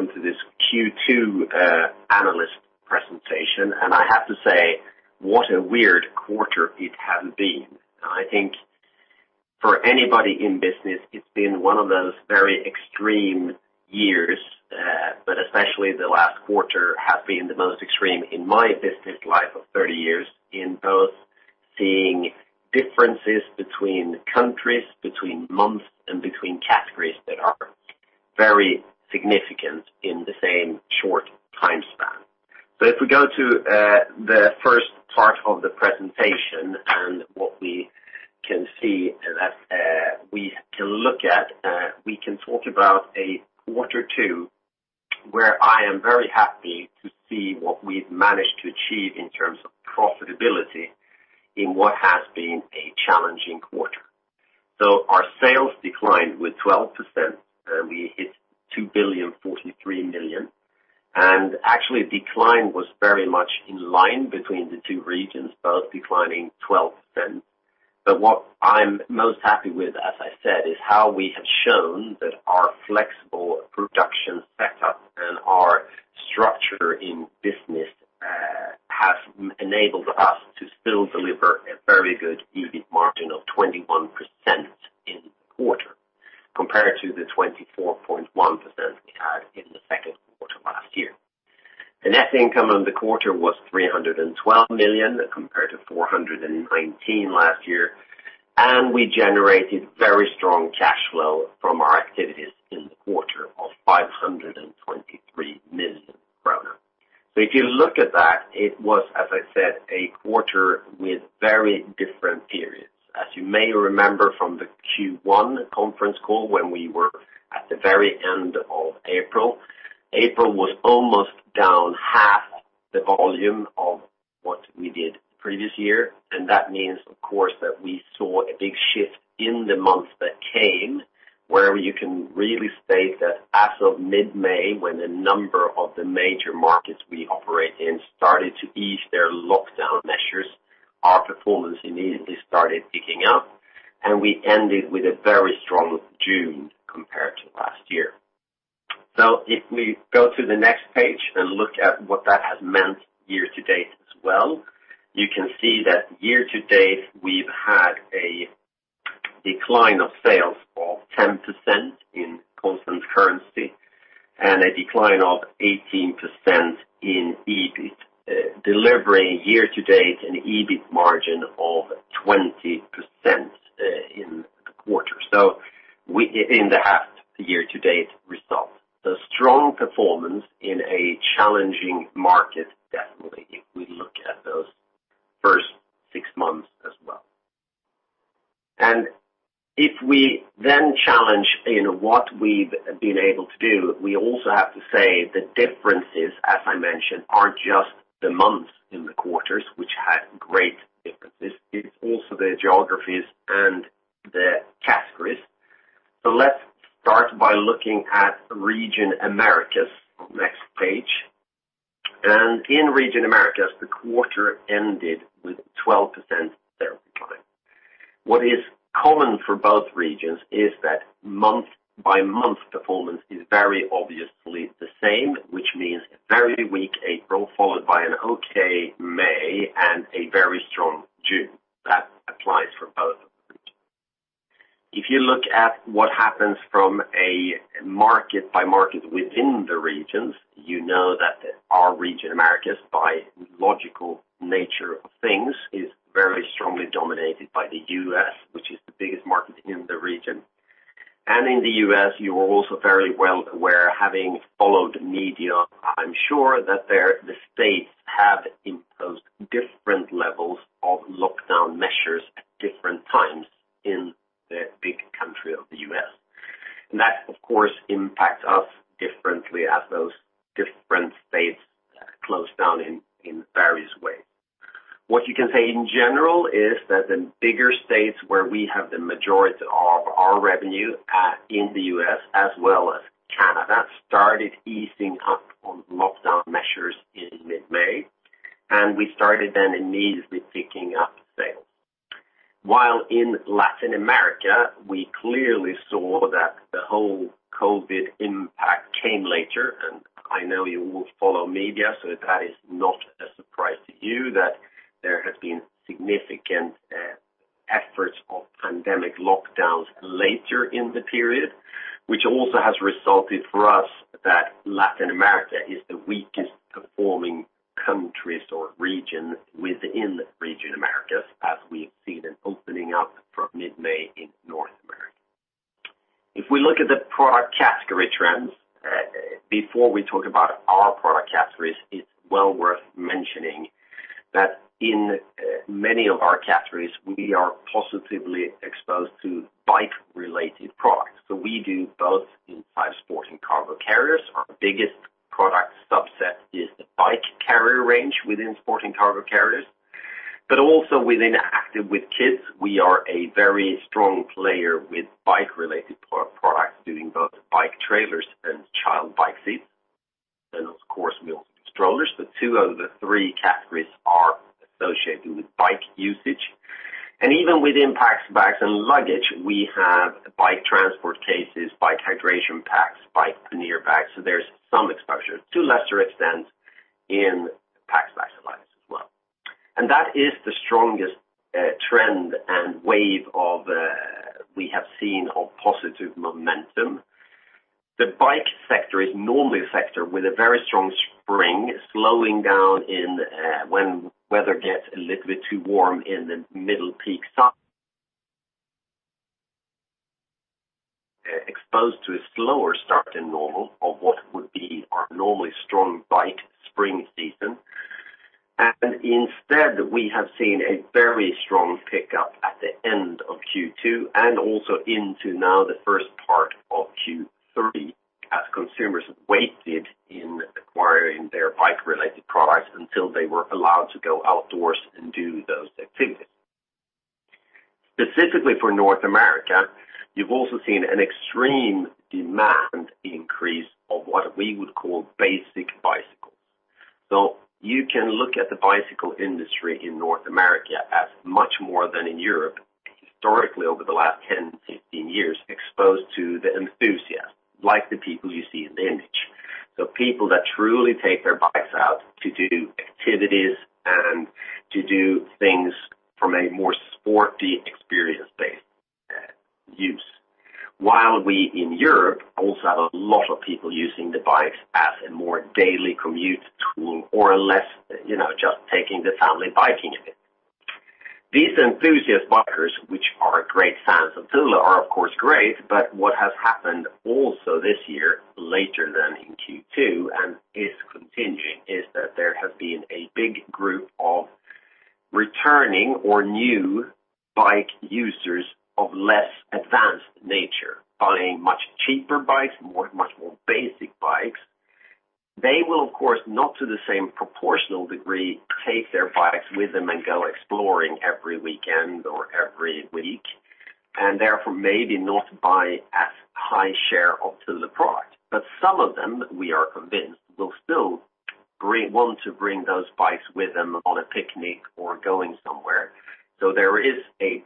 Welcome to this Q2 analyst presentation. What a weird quarter it has been. I think for anybody in business, it's been one of those very extreme years, but especially the last quarter has been the most extreme in my business life of 30 years, in both seeing differences between countries, between months, and between categories that are very significant in the same short time span. If we go to the first part of the presentation and what we can see as we can look at, we can talk about a Q2, where I am very happy to see what we've managed to achieve in terms of profitability in what has been a challenging quarter. Our sales declined with 12%. We hit 2,043 million. Actually decline was very much in line between the two regions, both declining 12%. What I'm most happy with, as I said, is how we have shown that our flexible production setup and our structure in business has enabled us to still deliver a very good EBIT margin of 21% in the quarter, compared to the 24.1% we had in the second quarter last year. The net income on the quarter was 312 million, compared to 419 million last year, and we generated very strong cash flow from our activities in the quarter of 523 million kronor. If you look at that, it was, as I said, a quarter with very different periods. As you may remember from the Q1 conference call when we were at the very end of April was almost down half the volume of what we did previous year. That means, of course, that we saw a big shift in the months that came, where you can really state that as of mid-May, when a number of the major markets we operate in started to ease their lockdown measures, our performance immediately started picking up, and we ended with a very strong June compared to last year. If we go to the next page and look at what that has meant year-to-date as well, you can see that year-to-date we've had a decline of sales of 10% in constant currency and a decline of 18% in EBIT, delivering year-to-date an EBIT margin of 20% in the quarter. In the half-year year-to-date results. Strong performance in a challenging market definitely if we look at those first six months as well. If we then challenge in what we've been able to do, we also have to say the differences, as I mentioned, aren't just the months in the quarters which had great differences. It's also the geographies and the categories. Let's start by looking at region Americas on the next page. In region Americas, the quarter ended with 12% there decline. What is common for both regions is that month-by-month performance is very obviously the same, which means a very weak April, followed by an okay May and a very strong June. That applies for both. If you look at what happens from a market-by-market within the regions, you know that our region Americas by logical nature of things, is very strongly dominated by the U.S., which is the biggest market in the region. In the U.S., you are also very well aware, having followed media, I'm sure that there the states have imposed different levels of lockdown measures at different times in the big country of the U.S. That, of course, impacts us differently as those different states close down in various ways. What you can say in general is that the bigger states where we have the majority of our revenue at in the U.S. as well as Canada, started easing up on lockdown measures in mid-May, and we started then immediately picking up sales. While in Latin America, we clearly saw that the whole COVID impact came later, and I know you all follow media, so that is not a surprise to you that there has been significant efforts of pandemic lockdowns later in the period, which also has resulted for us that Latin America is the weakest performing countries or region within region Americas, as we've seen an opening up from mid-May in North America. If we look at the product category trends, before we talk about our product categories, it is well worth mentioning that in many of our categories we are positively exposed to bike related products. We do both in five Sport & Cargo Carriers. Our biggest product subset is the bike carrier range within Sport & Cargo Carriers, but also within Active with Kids, we are a very strong player with bike related products, doing both bike trailers and child bike seats. Of course, we also do strollers. Two out of the three categories are associated with bike usage. Even within Packs, Bags & Luggage, we have bike transport cases, bike hydration packs, bike pannier bags. There's some exposure, to a lesser extent, in Packs, Bags & Luggage as well. That is the strongest trend and wave we have seen of positive momentum. The bike sector is normally a sector with a very strong spring, slowing down when weather gets a little bit too warm in the middle peak, exposed to a slower start than normal of what would be our normally strong bike spring season. Instead, we have seen a very strong pickup at the end of Q2 and also into now the first part of Q3 as consumers waited in acquiring their bike-related products until they were allowed to go outdoors and do those activities. Specifically for North America, you've also seen an extreme demand increase of what we would call basic bicycles. You can look at the bicycle industry in North America as much more than in Europe, historically over the last 10, 15 years, exposed to the enthusiast, like the people you see in the image. People that truly take their bikes out to do activities and to do things from a more sporty experience-based use. While we, in Europe, also have a lot of people using the bikes as a more daily commute tool or less just taking the family biking a bit. These enthusiast bikers, which are great fans of Thule, are of course great, but what has happened also this year, later than in Q2, and is contingent, is that there has been a big group of returning or new bike users of less advanced nature, buying much cheaper bikes, much more basic bikes. They will, of course, not to the same proportional degree, take their bikes with them and go exploring every weekend or every week, and therefore maybe not buy as high share of Thule product. Some of them, we are convinced, will still want to bring those bikes with them on a picnic or going somewhere. There is a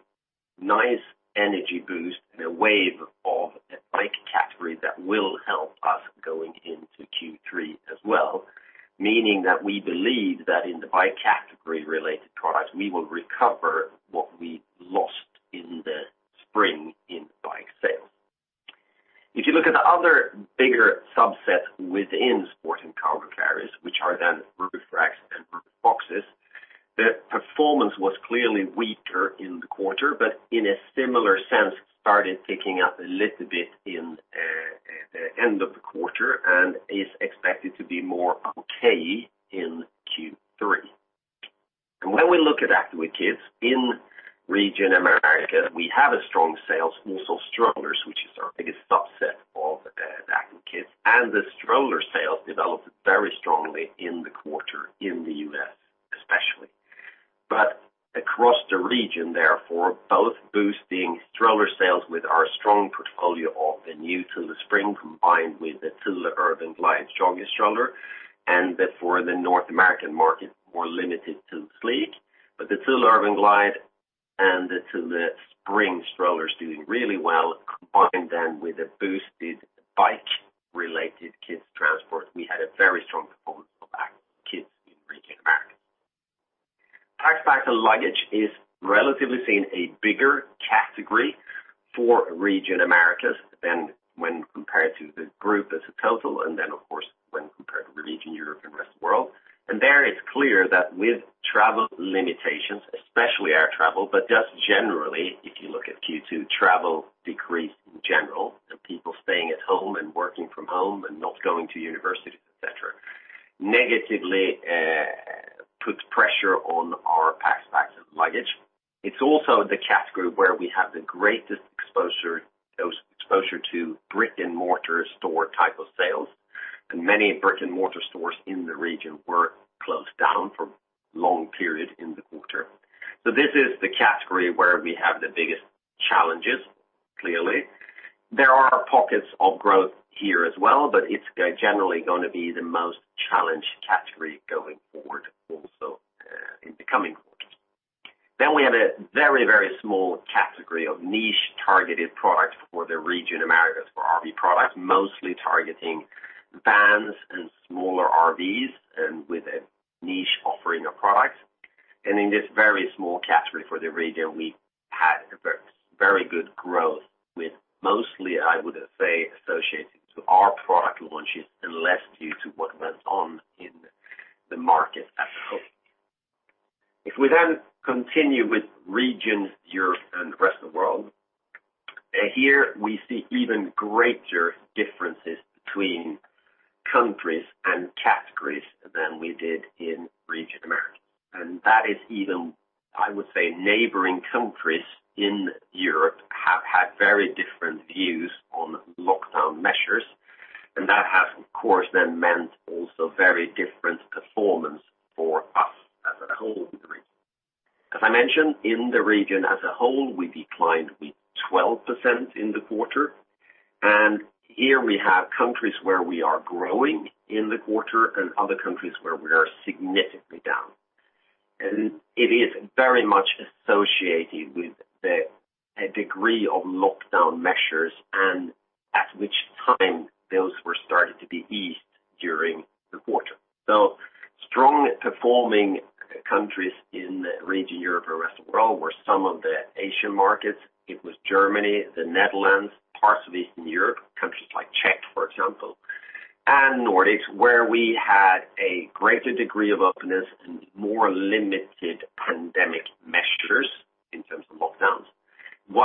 nice energy boost and a wave of the bike category that will help us going into Q3 as well, meaning that we believe that in the bike category related products, we will recover what we lost in the spring in bike sales. If you look at the other bigger subset within Sport & Cargo Carriers, which are then roof racks and roof boxes, the performance was clearly weaker in the quarter, but in a similar sense, started picking up a little bit in the end of the quarter and is expected to be more okay in Q3. When we look at Active with Kids in region America, we have a strong sales also strollers, which is our biggest subset of Active with Kids. The stroller sales developed very strongly in the quarter in the U.S., especially. Across the region, therefore, both boosting stroller sales with our strong portfolio of the new Thule Spring, combined with the Thule Urban Glide strongest stroller, and for the North American market, more limited to Thule Sleek. The Thule Urban Glide and the Thule Spring stroller is doing really well. Combine them with a boosted bike-related kids transport. We had a very strong performance for Active with Kids in region Americas. Packs, Bags & Luggage is relatively seen a bigger category for region Americas than when compared to the group as a total, and then, of course, when compared to region Europe and rest of the world. There it's clear that with travel limitations, especially air travel, but just generally, if you look at Q2, travel decreased in general and people staying at home and working from home and not going to universities, et cetera, negatively puts pressure on our Packs, Bags & Luggage. It's also the category where we have the greatest exposure to brick-and-mortar store type of sales. Many brick-and-mortar stores in the region were closed down for long period in the quarter. This is the category where we have the biggest challenges, clearly. There are pockets of growth here as well, but it's generally going to be the most challenged category going forward also in the coming quarters. We have a very, very small category of niche targeted products for the region Americas for RV Products, mostly targeting vans and smaller RVs and with a niche offering of products. In this very small category for the region, we had very good growth with mostly, I would say, associated to our product launches and less due to what went on in the market as a whole. If we continue with region Europe and the rest of the world, here we see even greater differences between countries and categories than we did in region Americas. That is even, I would say neighboring countries in Europe have had very different views on lockdown measures, and that has, of course, then meant also very different performance for us as a whole Thule Group. I mentioned in the region as a whole, we declined with 12% in the quarter, and here we have countries where we are growing in the quarter and other countries where we are significantly down. It is very much associated with the degree of lockdown measures and at which time those were started to be eased during the quarter. Strong performing countries in the region Europe and the rest of the world were some of the Asian markets. It was Germany, the Netherlands, parts of Eastern Europe, countries like Czech, for example, and Nordics, where we had a greater degree of openness and more limited pandemic measures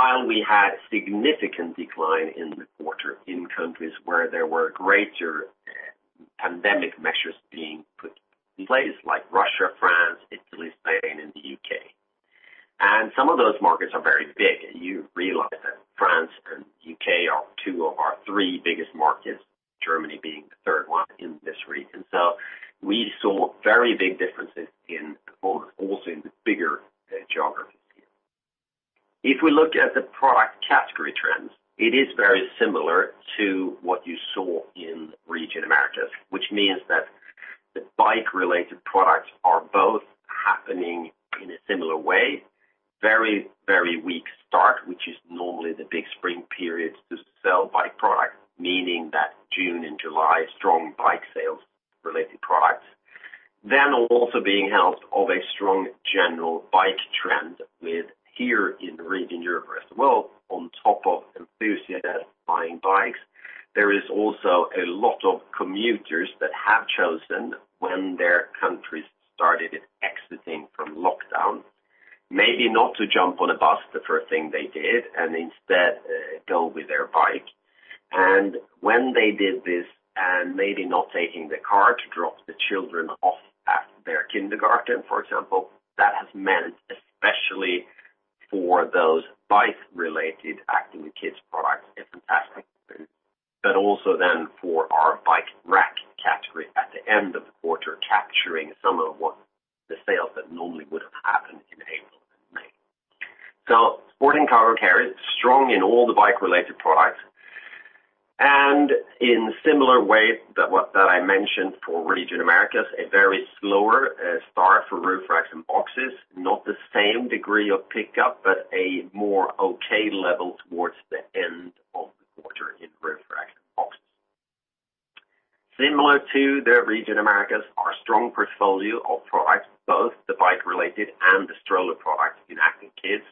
in terms of lockdowns. We had significant decline in the quarter in countries where there were greater pandemic measures being put in place like Russia, France, Italy, Spain, and the U.K. Some of those markets are very big, and you realize that France and U.K. are two of our three biggest markets, Germany being the third one in this region. We saw very big differences also in the bigger geographies here. If we look at the product category trends, it is very similar to what you saw in region Americas, which means that the bike related products are both happening in a similar way. Very weak start, which is normally the big spring periods to sell bike products, meaning that June and July, strong bike sales related products. Also being helped of a strong general bike trend with here in the region Europe as well, on top of enthusiasts buying bikes, there is also a lot of commuters that have chosen when their countries started exiting from lockdown, maybe not to jump on a bus the first thing they did, and instead, go with their bike. When they did this and maybe not taking the car to drop the children off at their kindergarten, for example, that has meant especially for those bike related Active with Kids products in particular, but also then for our bike rack category at the end of the quarter, capturing some of what the sales that normally would have happened in April and May. Sport & Cargo Carriers, strong in all the bike related products and in similar way that I mentioned for region Americas, a very slower start for roof racks and boxes, not the same degree of pickup, but a more okay level towards the end of the quarter in roof racks and boxes. Similar to the region Americas, our strong portfolio of products, both the bike related and the stroller products in Active with Kids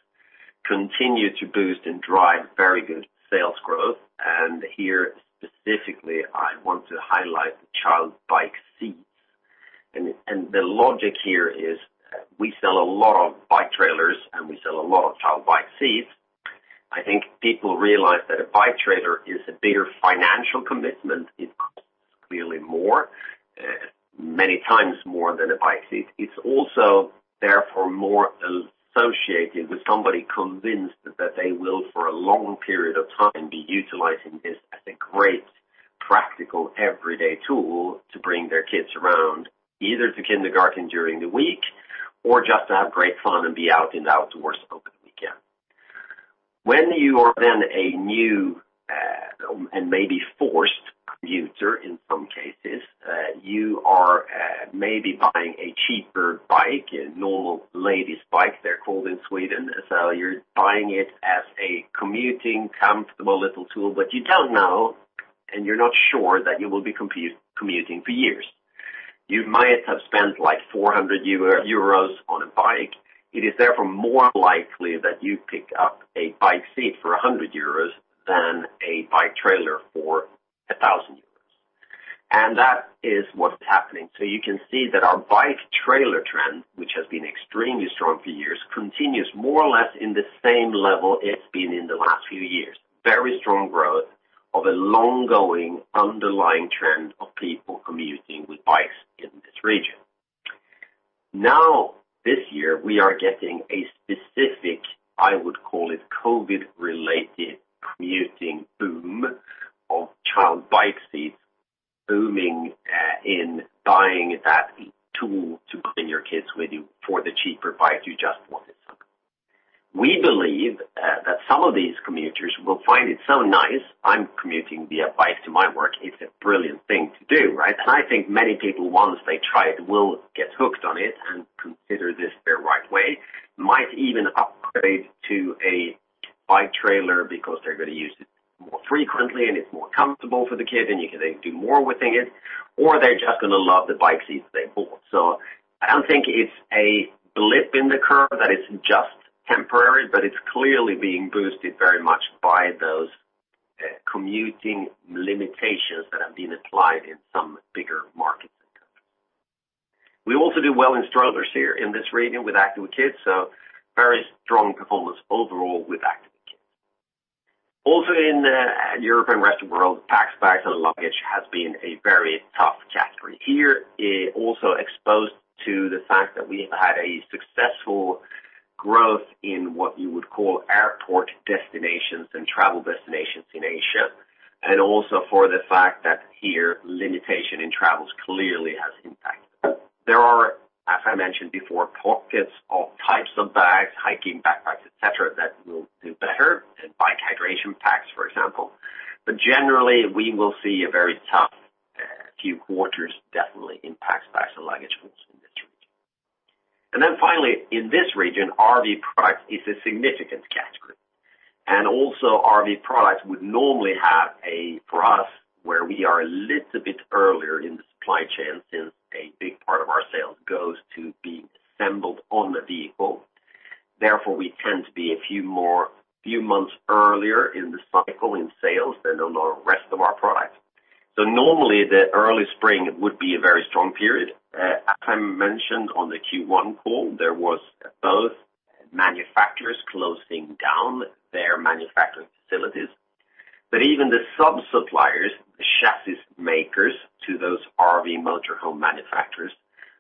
continue to boost and drive very good sales growth. Here specifically, I want to highlight the child bike seats. The logic here is we sell a lot of bike trailers and we sell a lot of child bike seats. I think people realize that a bike trailer is a bigger financial commitment, it costs clearly more, many times more than a bike seat. It's also therefore more associated with somebody convinced that they will for a long period of time be utilizing this as a great practical everyday tool to bring their kids around, either to kindergarten during the week or just to have great fun and be out in the outdoors over the weekend. When you are then a new, and maybe forced commuter in some cases, you are maybe buying a cheaper bike, a normal lady's bike they're called in Sweden. You're buying it as a commuting comfortable little tool, but you don't know, and you're not sure that you will be commuting for years. You might have spent like 400 euros on a bike. It is therefore more likely that you pick up a bike seat for 100 euros than a bike trailer for 1,000 euros. That is what's happening. You can see that our bike trailer trend, which has been extremely strong for years, continues more or less in the same level it's been in the last few years. Very strong growth of a long-going underlying trend of people commuting with bikes in this region. This year, we are getting a specific, I would call it, COVID related commuting boom of child bike seats booming in buying that tool to bring your kids with you for the cheaper bike you just wanted. We believe that some of these commuters will find it so nice. I'm commuting via bike to my work. It's a brilliant thing to do, right? I think many people once they try it will get hooked on it and consider this their right way. Might even upgrade to a bike trailer because they're going to use it more frequently and it's more comfortable for the kid, and they can do more within it, or they're just going to love the bike seats they bought. I don't think it's a blip in the curve that it's just temporary, but it's clearly being boosted very much by those commuting limitations that have been applied in some bigger markets and countries. We also do well in strollers here in this region with Active with Kids, so very strong performance overall with Active with Kids. Also in Europe and rest of world, Packs, Bags & Luggage has been a very tough category here. It also exposed to the fact that we have had a successful growth in what you would call airport destinations and travel destinations in Asia. For the fact that here, limitation in travels clearly has impact. There are, as I mentioned before, pockets of types of bags, hiking backpacks, et cetera, that will do better, and bike hydration packs, for example. Generally, we will see a very tough few quarters definitely impact special luggage in this region. Finally, in this region, RV product is a significant category. Also RV Products would normally have a, for us, where we are a little bit earlier in the supply chain, since a big part of our sales goes to be assembled on the vehicle. We tend to be a few months earlier in the cycle in sales than on our rest of our products. Normally, the early spring would be a very strong period. As I mentioned on the Q1 call, there was both manufacturers closing down their manufacturing facilities. Even the sub-suppliers, the chassis makers to those RV motor home manufacturers,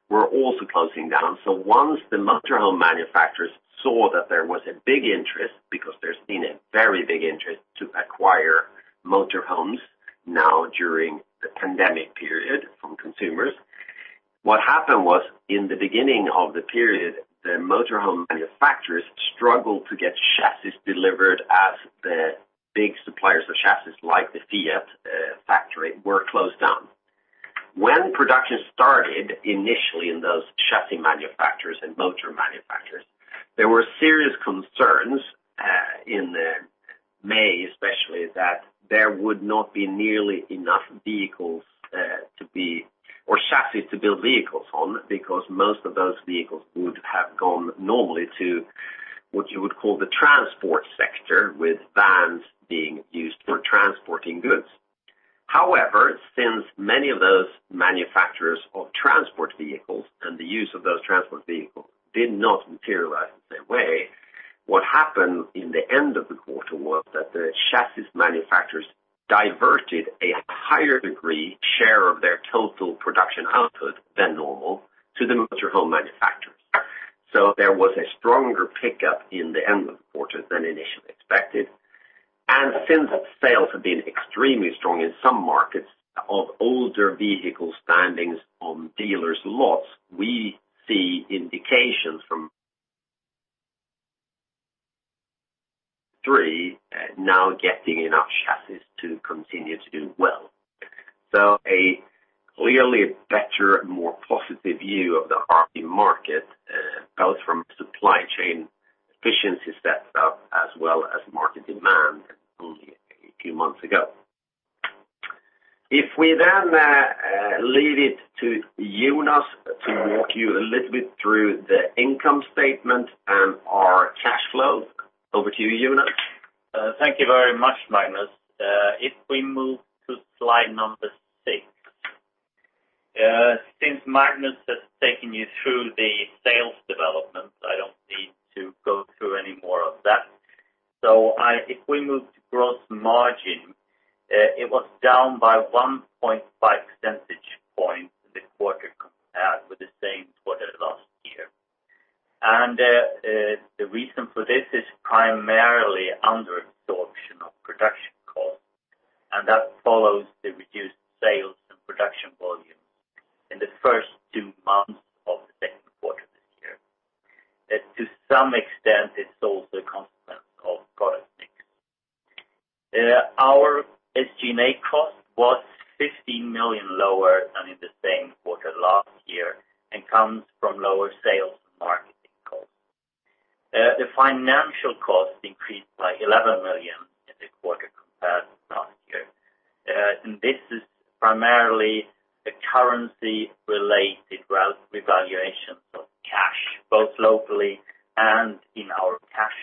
were also closing down. Once the motor home manufacturers saw that there was a big interest, because there's been a very big interest to acquire motor homes now during the pandemic period from consumers. What happened was, in the beginning of the period, the motor home manufacturers struggled to get chassis delivered as the big suppliers of chassis, like the Fiat factory, were closed down. When production started initially in those chassis manufacturers and motor manufacturers, there were serious concerns, in May especially, that there would not be nearly enough vehicles to be, or chassis to build vehicles on, because most of those vehicles would have gone normally to what you would call the transport sector, with vans being used for transporting goods. However, since many of those manufacturers of transport vehicles and the use of those transport vehicles did not materialize in that way, what happened in the end of the quarter was that the chassis manufacturers diverted a higher degree share of their total production output than normal to the motor home manufacturers. There was a stronger pickup in the end of the quarter than initially expected. Since sales have been extremely strong in some markets of older vehicle standings on dealers' lots, we see indications from Thor Industries now getting enough chassis to continue to do well. A clearly better and more positive view of the RV market, both from supply chain efficiency steps as well as market demand only a few months ago. If we then leave it to Jonas to walk you a little bit through the income statement and our cash flow. Over to you, Jonas. Thank you very much, Magnus. If we move to slide number six. Since Magnus has taken you through the sales development, I don't need to go through any more of that. If we move to gross margin, it was down by 1.5 percentage points this quarter compared with the same quarter last year. The reason for this is primarily under absorption of production costs, and that follows the reduced sales and production volume in the first two months of the second quarter this year. To some extent, it's also a consequence of product mix. Our SG&A cost was 15 million lower than in the same quarter last year and comes from lower sales and marketing costs. The financial cost increased by 11 million in the quarter compared to last year. This is primarily a currency related revaluation of cash, both locally and in our cash.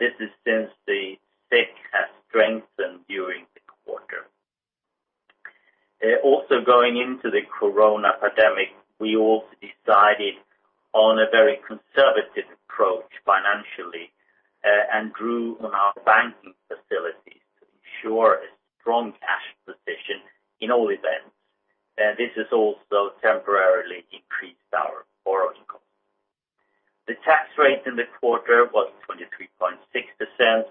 This is since the SEK has strengthened during the quarter. Also going into the COVID pandemic, we also decided on a very conservative approach financially, and drew on our banking facilities to ensure a strong cash position in all events. This has also temporarily increased our borrowing costs. The tax rate in the quarter was 23.6%,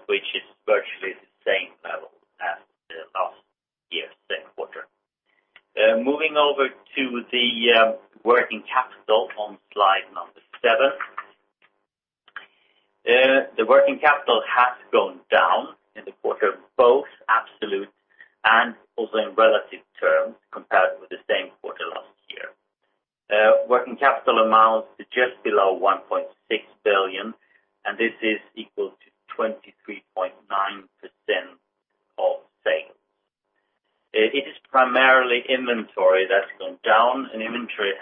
which is virtually the same level as last year's second quarter. Moving over to the working capital on slide number 7. The working capital has gone down in the quarter, both absolute and also in relative terms compared with the same quarter last year. Working capital amounts to just below 1.6 billion, and this is equal to 23.9% of sales. It is primarily inventory that's gone down, and inventory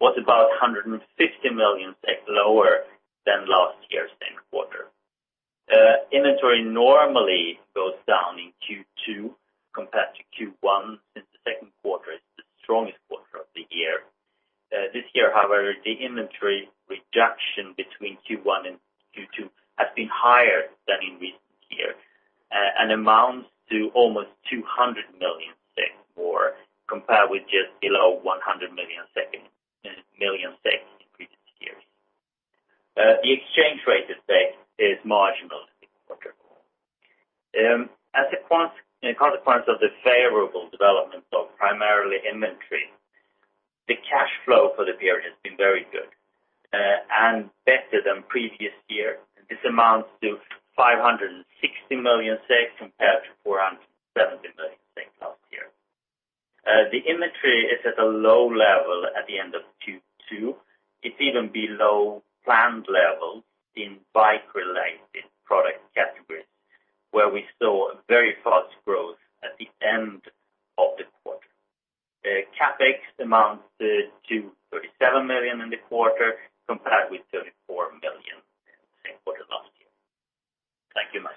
was about 150 million lower than last year's second quarter. Inventory normally goes down in Q2 compared to Q1, since the second quarter is the strongest quarter of the year. This year, however, the inventory reduction between Q1 and Q2 has been higher than in recent years, and amounts to almost 200 million more compared with just below 100 million. The exchange rate effect is marginal in the quarter. As a consequence of the favorable development of primarily inventory, the cash flow for the period has been very good and better than previous year. This amounts to 560 million compared to 470 million last year. The inventory is at a low level at the end of Q2. It's even below planned levels in bike-related product categories, where we saw a very fast growth at the end of the quarter. CapEx amounts to 37 million in the quarter, compared with 34 million in the same quarter last year. Thank you, Mats.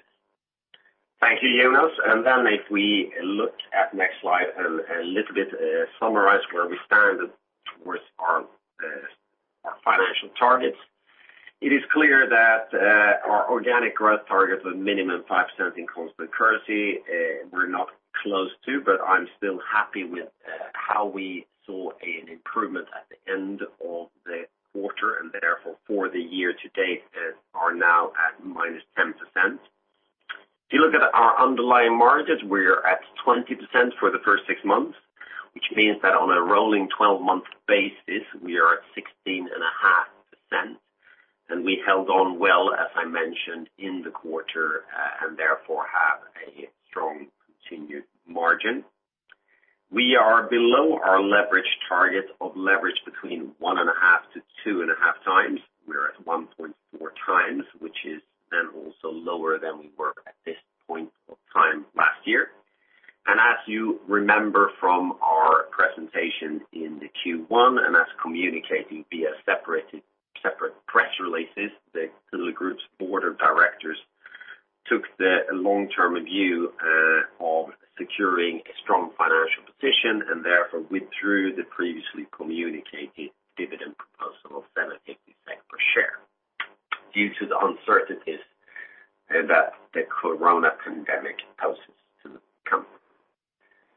Thank you, Jonas. If we look at next slide and a little bit summarize where we stand with our financial targets, it is clear that our organic growth target of a minimum 5% in constant currency, we're not close to, but I'm still happy with how we saw an improvement at the end of the quarter and therefore for the year to date are now at minus 10%. If you look at our underlying margins, we're at 20% for the first six months, which means that on a rolling 12-month basis, we are at 16.5%, and we held on well, as I mentioned, in the quarter, and therefore have a strong continued margin. We are below our leverage target of leverage between one and a half to two and a half times. We are at 1.4 times, which is then also lower than we were at this point of time last year. As you remember from our presentation in the Q1, and as communicated via separate press releases, the Thule Group's board of directors took the long-term view of securing a strong financial position and therefore withdrew the previously communicated dividend proposal of 7.50 per share due to the uncertainties that the coronavirus pandemic poses to the company.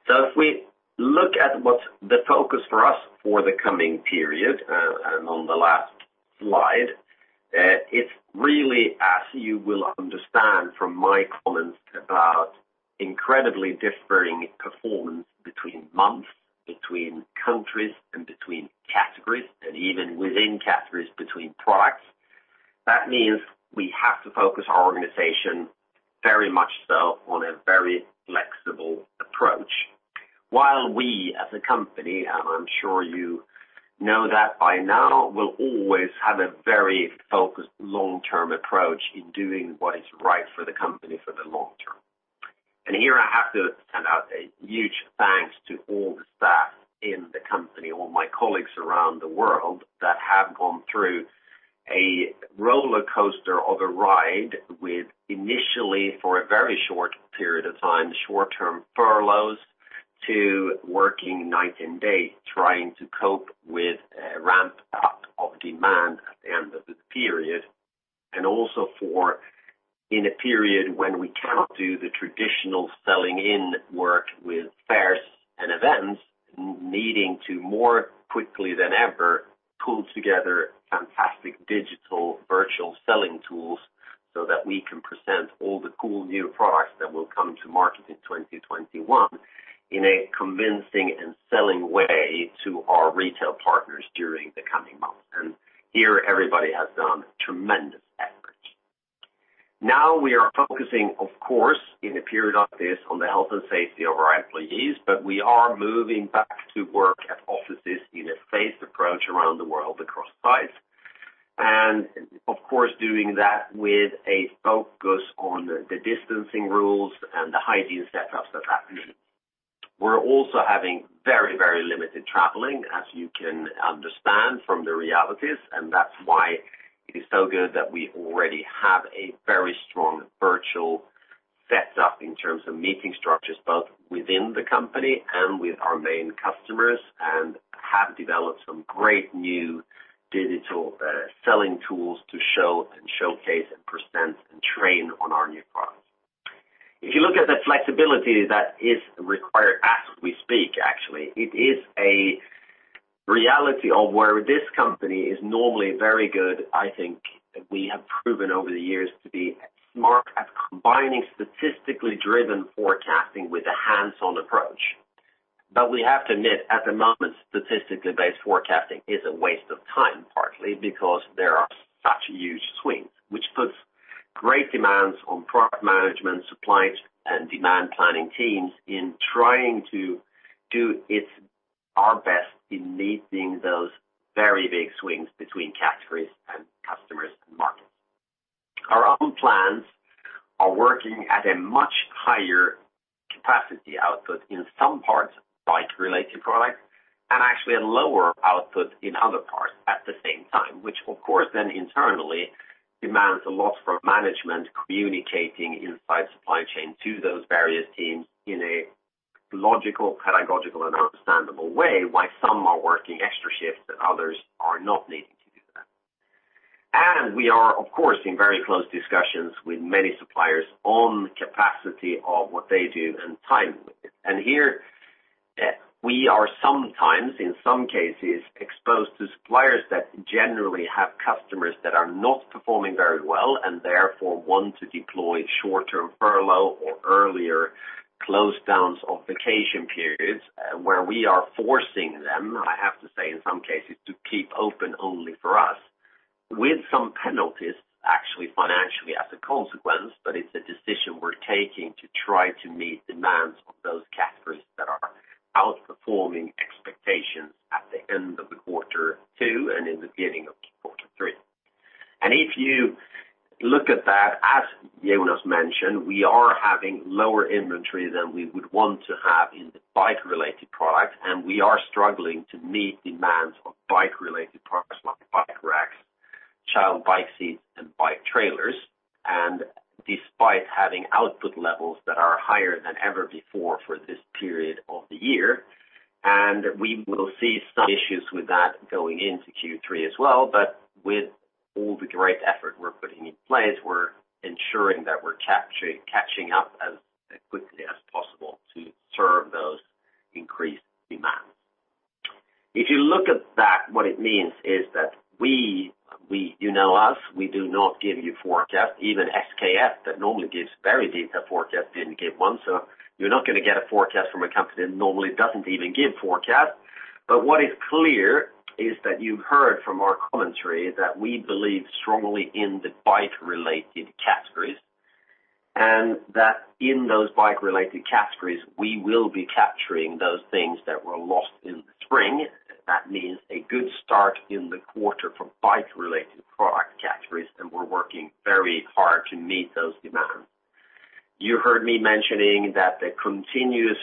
If we look at what's the focus for us for the coming period, and on the last slide, it's really as you will understand from my comments about incredibly differing performance between months, between countries and between categories, and even within categories between products. That means we have to focus our organization very much so on a very flexible approach. While we, as a company, and I'm sure you know that by now, will always have a very focused long-term approach in doing what is right for the company for the long term. Here I have to send out a huge thanks to all the staff in the company, all my colleagues around the world that have gone through a roller coaster of a ride with initially, for a very short period of time, short-term furloughs to working night and day, trying to cope with a ramp-up of demand at the end of the period, and also for, in a period when we cannot do the traditional selling in work with fairs and events, needing to more quickly than ever pull together fantastic digital virtual selling tools so that we can present all the cool new products that will come to market in 2021 in a convincing and selling way to our retail partners during the coming months. Here, everybody has done tremendous effort. We are focusing, of course, in a period like this on the health and safety of our employees, but we are moving back to work at offices in a phased approach around the world across sites. Of course, doing that with a focus on the distancing rules and the hygiene setups that means. We're also having very limited traveling, as you can understand from the realities, and that's why it is so good that we already have a very strong virtual setup in terms of meeting structures both within the company and with our main customers, and have developed some great new digital selling tools to show and showcase and present and train on our new products. If you look at the flexibility that is required as we speak, actually, it is a reality of where this company is normally very good, I think we have proven over the years to be smart at combining statistically driven forecasting with a hands-on approach. We have to admit, at the moment, statistically based forecasting is a waste of time, partly because there are such huge swings, which puts great demands on product management, supply and demand planning teams in trying to do our best in meeting those very big swings between categories and customers and markets. Our own plans are working at a much higher capacity output in some parts, bike-related products, and actually a lower output in other parts at the same time, which of course then internally demands a lot from management communicating inside supply chain to those various teams in a logical, pedagogical and understandable way why some are working extra shifts and others are not needing to do that. We are, of course, in very close discussions with many suppliers on capacity of what they do and timing with it. We are sometimes, in some cases, exposed to suppliers that generally have customers that are not performing very well, and therefore want to deploy short-term furlough or earlier close downs of vacation periods, where we are forcing them, I have to say, in some cases, to keep open only for us. With some penalties, actually, financially as a consequence, but it's a decision we're taking to try to meet demands of those categories that are outperforming expectations at the end of the quarter two and in the beginning of quarter three. If you look at that, as Jonas mentioned, we are having lower inventory than we would want to have in the bike-related products, and we are struggling to meet demands of bike-related products like bike racks, child bike seats, and bike trailers. Despite having output levels that are higher than ever before for this period of the year, and we will see some issues with that going into Q3 as well, but with all the great effort we're putting in place, we're ensuring that we're catching up as quickly as possible to serve those increased demands. If you look at that, what it means is that we, you know us, we do not give you forecast. Even SKF, that normally gives very detailed forecast, didn't give one, so you're not going to get a forecast from a company that normally doesn't even give forecast. What is clear is that you've heard from our commentary that we believe strongly in the bike-related categories, and that in those bike-related categories, we will be capturing those things that were lost in the spring. That means a good start in the quarter for bike-related product categories, and we're working very hard to meet those demands. You heard me mentioning that the continuous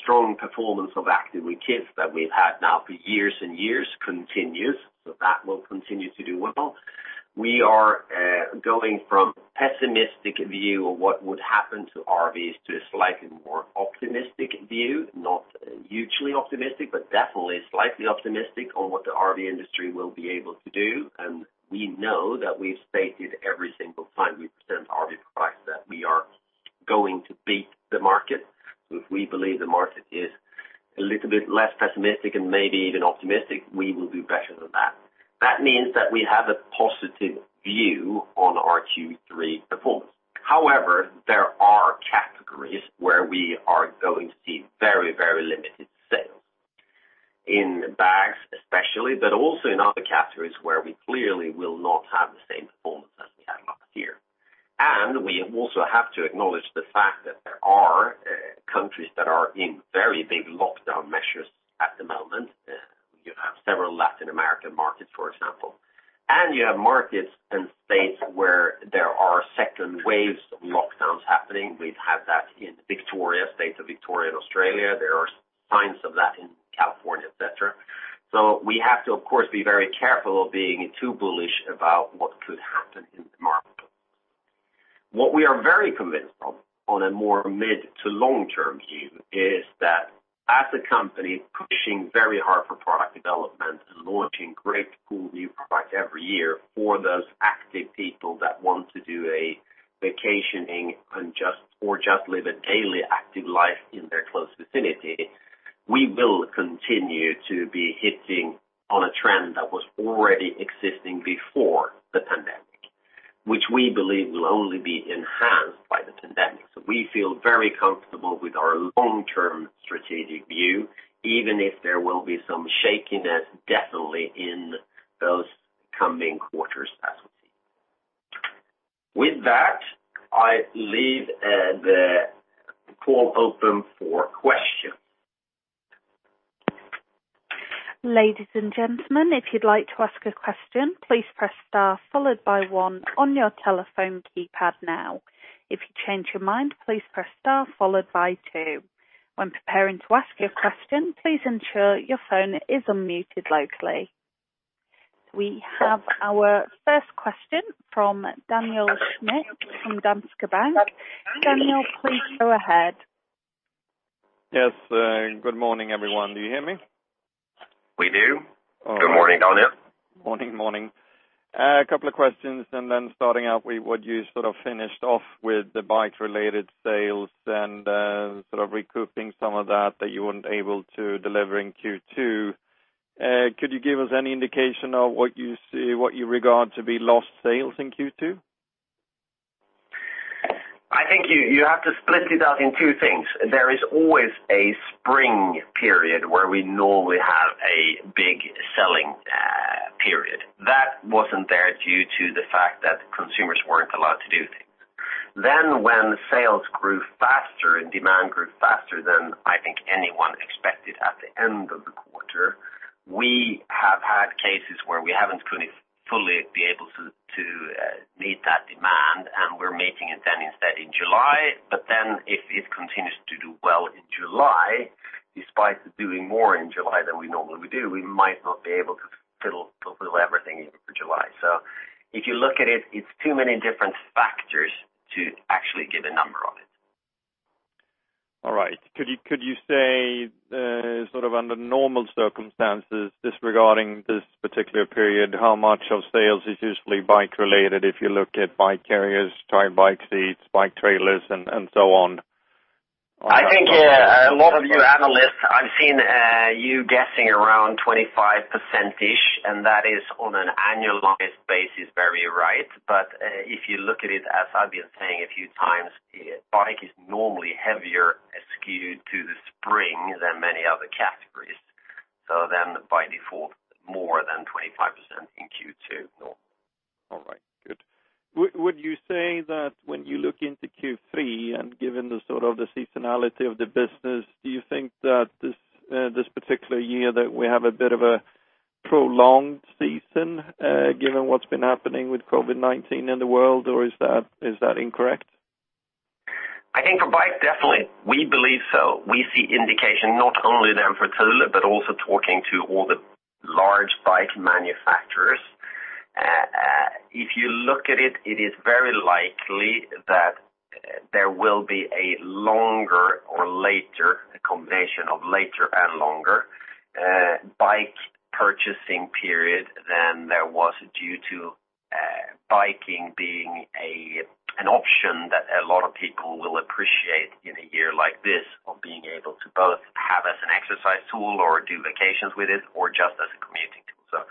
strong performance of Active with Kids that we've had now for years and years continues, so that will continue to do well. We are going from pessimistic view of what would happen to RVs to a slightly more optimistic view. Not hugely optimistic, but definitely slightly optimistic on what the RV industry will be able to do, and we know that we've stated every single time we present RV products that we are going to beat the market. If we believe the market is a little bit less pessimistic and maybe even optimistic, we will do better than that. That means that we have a positive view on our Q3 performance. There are categories where we are going to see very limited sales. In bags, especially, but also in other categories where we clearly will not have the same performance as we had last year. We also have to acknowledge the fact that there are countries that are in very big lockdown measures at the moment. You have several Latin American markets, for example. You have markets and states where there are second waves of lockdowns happening. We've had that in Victoria, state of Victoria in Australia. There are signs of that in California, et cetera. We have to, of course, be very careful of being too bullish about what could happen in the market. What we are very convinced of on a more mid-to-long-term view is that as a company pushing very hard for product development and launching great cool new products every year for those active people that want to do a vacationing or just live a daily active life in their close vicinity, we will continue to be hitting on a trend that was already existing before the pandemic, which we believe will only be enhanced by the pandemic. We feel very comfortable with our long-term strategic view, even if there will be some shakiness definitely in those coming quarters as we see. With that, I leave the call open for question. Ladies and gentlemen, if you'd like to ask a question, please press star followed by one on your telephone keypad now. If you change your mind, please press star followed by two. When preparing to ask your question, please ensure your phone is unmuted locally. We have our first question from Daniel Schmidt from Danske Bank. Daniel, please go ahead. Yes. Good morning, everyone. Do you hear me? We do. Good morning, Daniel. Morning. A couple of questions, and then starting out with what you sort of finished off with the bikes-related sales and sort of recouping some of that you weren't able to deliver in Q2. Could you give us any indication of what you regard to be lost sales in Q2? I think you have to split it out in two things. There is always a spring period where we normally have a big selling period. That wasn't there due to the fact that consumers weren't allowed to do things. When sales grew faster and demand grew faster than I think anyone expected at the end of the quarter, we have had cases where we haven't fully been able to meet that demand, and we're meeting it then instead in July. If it continues to do well in July, despite it doing more in July than we normally would do, we might not be able to fulfill everything in July. If you look at it's too many different factors to actually give a number on it. All right. Is sort of under normal circumstances disregarding this particular period, how much of sales is usually bike related? If you look at bike carriers, child bike seats, bike trailers, and so on. I think a lot of you analysts, I've seen you guessing around 25%-ish, and that is on an annualized basis, very right. If you look at it, as I've been saying a few times, bike is normally heavier skewed to the spring than many other categories. By default, more than 25% in Q2 normal. All right. Good. Would you say that when you look into Q3 and given the sort of the seasonality of the business, do you think that this particular year, that we have a bit of a prolonged season, given what's been happening with COVID-19 in the world, or is that incorrect? I think for bikes, definitely, we believe so. We see indication not only there for Thule but also talking to all the large bike manufacturers. If you look at it is very likely that there will be a longer or later, a combination of later and longer, bike purchasing period than there was due to biking being an option that a lot of people will appreciate in a year like this of being able to both have as an exercise tool or do vacations with it or just as a commuting tool.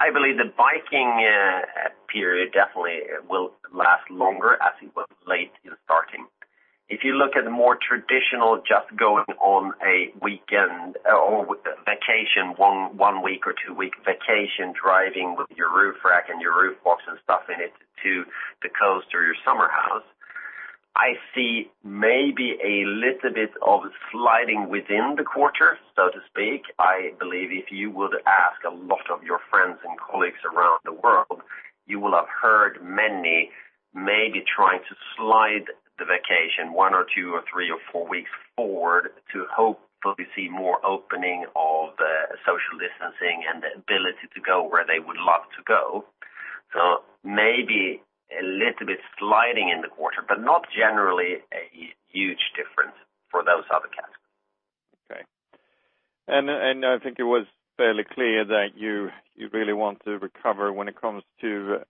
I believe the biking period definitely will last longer as it was late in starting. If you look at the more traditional just going on a weekend or vacation, one week or two-week vacation driving with your roof rack and your roof box and stuff in it to the coast or your summer house, I see maybe a little bit of sliding within the quarter, so to speak. I believe if you would ask a lot of your friends and colleagues around the world, you will have heard many maybe trying to slide the vacation one or two or three or four weeks forward to hopefully see more opening of the social distancing and the ability to go where they would love to go. Maybe a little bit sliding in the quarter, but not generally a huge difference for those other categories. Okay. I think it was fairly clear that you really want to recover when it comes to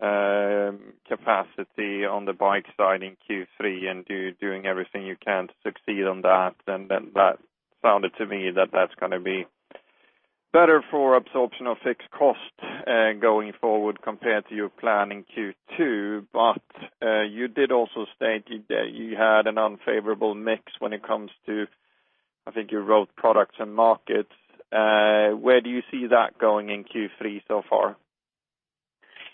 capacity on the bike side in Q3 and doing everything you can to succeed on that. That sounded to me that that's going to be better for absorption of fixed cost, going forward compared to your plan in Q2. You did also state that you had an unfavorable mix when it comes to, I think you wrote products and markets. Where do you see that going in Q3 so far?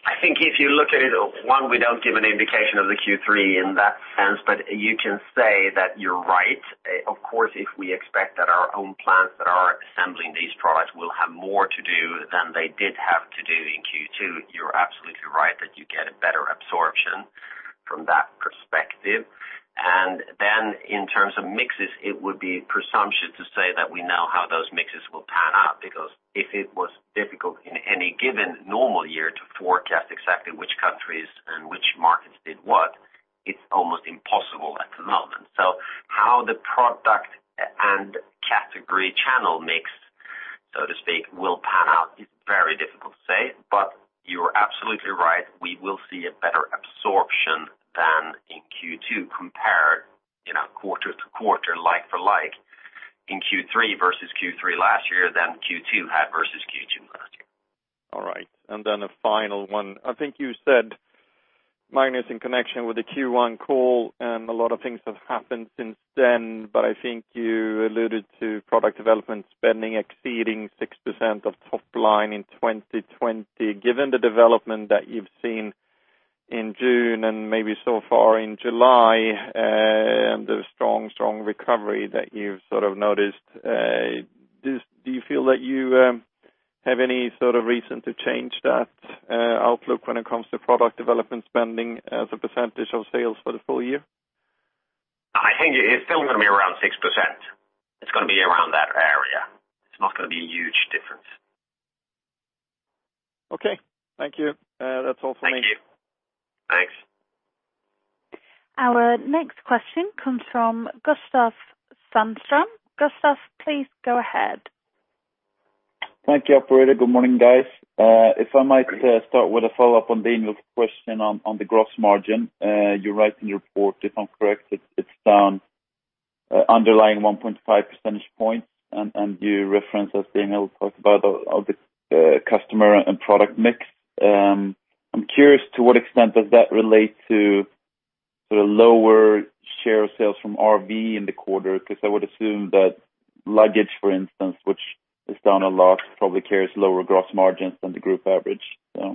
I think if you look at it, one, we don't give an indication of the Q3 in that sense, but you can say that you're right. Of course, if we expect that our own plants that are assembling these products will have more to do than they did have to do in Q2, you're absolutely right that you get a better absorption from that perspective. Then in terms of mixes, it would be presumptuous to say that we know how those mixes will pan out because if it was difficult in any given normal year to forecast exactly which countries and which markets did what, it's almost impossible at the moment. How the product and category channel mix, so to speak, will pan out is very difficult to say, but you are absolutely right. We will see a better absorption than in Q2 compared quarter to quarter like for like in Q3 versus Q3 last year than Q2 had versus Q2 last year. All right. A final one. I think you said, Magnus, in connection with the Q1 call, and a lot of things have happened since then, but I think you alluded to product development spending exceeding 6% of top line in 2020. Given the development that you've seen in June and maybe so far in July, and the strong recovery that you've sort of noticed, do you feel that you have any sort of reason to change that outlook when it comes to product development spending as a percentage of sales for the full year? I think it is still going to be around 6%. It's going to be around that area. It's not going to be a huge difference. Okay. Thank you. That's all for me. Thank you. Thanks. Our next question comes from Gustav Hagéus. Gustav, please go ahead. Thank you, operator. Good morning, guys. If I might start with a follow-up on Daniel's question on the gross margin. You write in your report, if I'm correct, it's down underlying 1.5 percentage points, and you reference, as Daniel talked about, of the customer and product mix. I'm curious to what extent does that relate to sort of lower share of sales from RV in the quarter? I would assume that luggage, for instance, which is down a lot, probably carries lower gross margins than the group average. I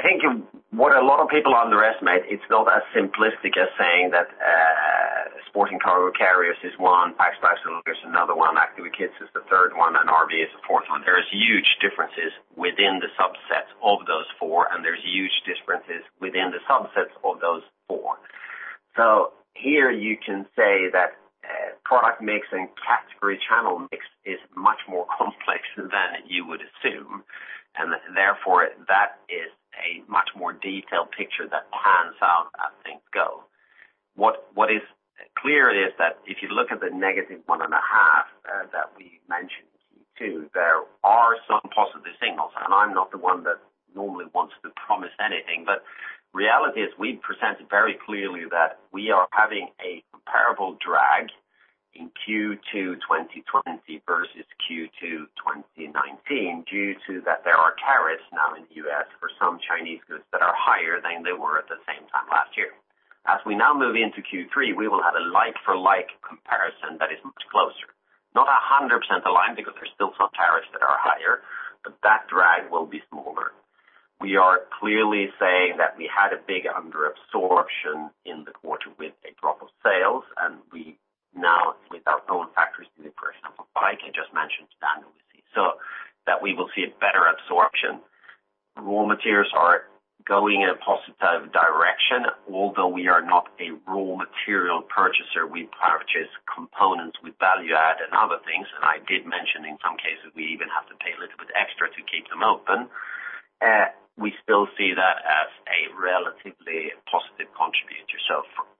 think what a lot of people underestimate, it's not as simplistic as saying that Sport & Cargo Carriers is one, Bike Accessories is another one, Active with Kids is the third one, and RV Products is the fourth one. There is huge differences within the subsets of those four, and there's huge differences within the subsets of those four. Here you can say that product mix and category channelMore complex than you would assume, and therefore that is a much more detailed picture that pans out as things go. What is clear is that if you look at the negative one and a half that we mentioned in Q2, there are some positive signals, and I'm not the one that normally wants to promise anything, but reality is we presented very clearly that we are having a comparable drag in Q2 2020 versus Q2 2019 due to that there are tariffs now in the U.S. for some Chinese goods that are higher than they were at the same time last year. As we now move into Q3, we will have a like for like comparison that is much closer. Not 100% aligned because there's still some tariffs that are higher, but that drag will be smaller. We are clearly saying that we had a big under absorption in the quarter with a drop of sales. We now, with our own factories in the personal bike I just mentioned to Daniel, we see so that we will see a better absorption. Raw materials are going in a positive direction, although we are not a raw material purchaser. We purchase components with value add and other things. I did mention in some cases, we even have to pay a little bit extra to keep them open. We still see that as a relatively positive contributor.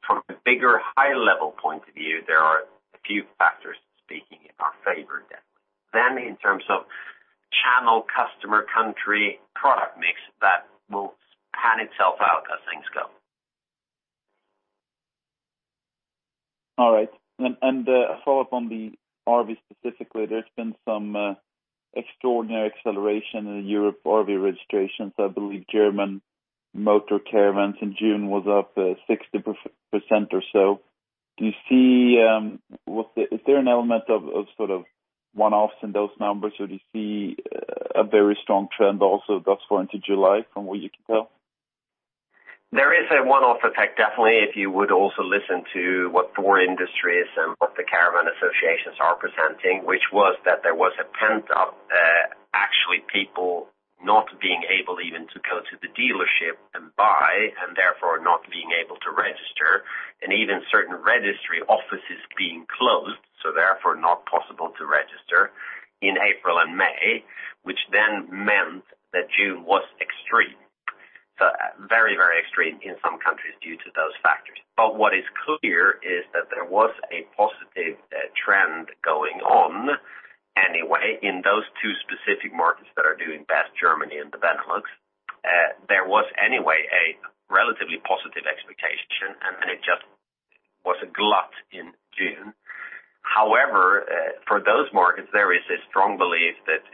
From a bigger, high-level point of view, there are a few factors speaking in our favor definitely. In terms of channel, customer, country, product mix, that will pan itself out as things go. All right. A follow-up on the RV specifically. There's been some extraordinary acceleration in Europe RV registrations. I believe German motor caravans in June was up 60% or so. Is there an element of sort of one-offs in those numbers, or do you see a very strong trend also thus far into July from what you can tell? There is a one-off effect, definitely. If you would also listen to what Thor Industries and what the caravan associations are presenting, which was that there was a pent up, actually people not being able even to go to the dealership and buy, and therefore not being able to register. Even certain registry offices being closed, therefore not possible to register in April and May, which meant that June was extreme. Very, very extreme in some countries due to those factors. What is clear is that there was a positive trend going on anyway in those two specific markets that are doing best, Germany and the Benelux. There was anyway a relatively positive expectation, it just was a glut in June. However, for those markets, there is a strong belief that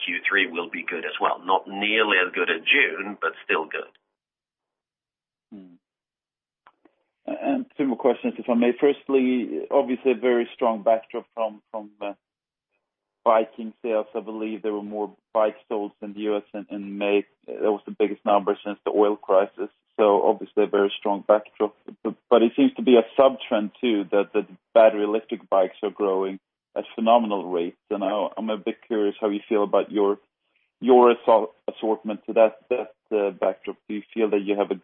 Q3 will be good as well. Not nearly as good as June, but still good. Two more questions, if I may. Firstly, obviously a very strong backdrop from biking sales. I believe there were more bikes sold in the U.S. in May. That was the biggest number since the oil crisis. Obviously a very strong backdrop, but it seems to be a sub-trend too that the battery electric bikes are growing at phenomenal rates, and I'm a bit curious how you feel about your assortment to that backdrop. Do you feel that you have a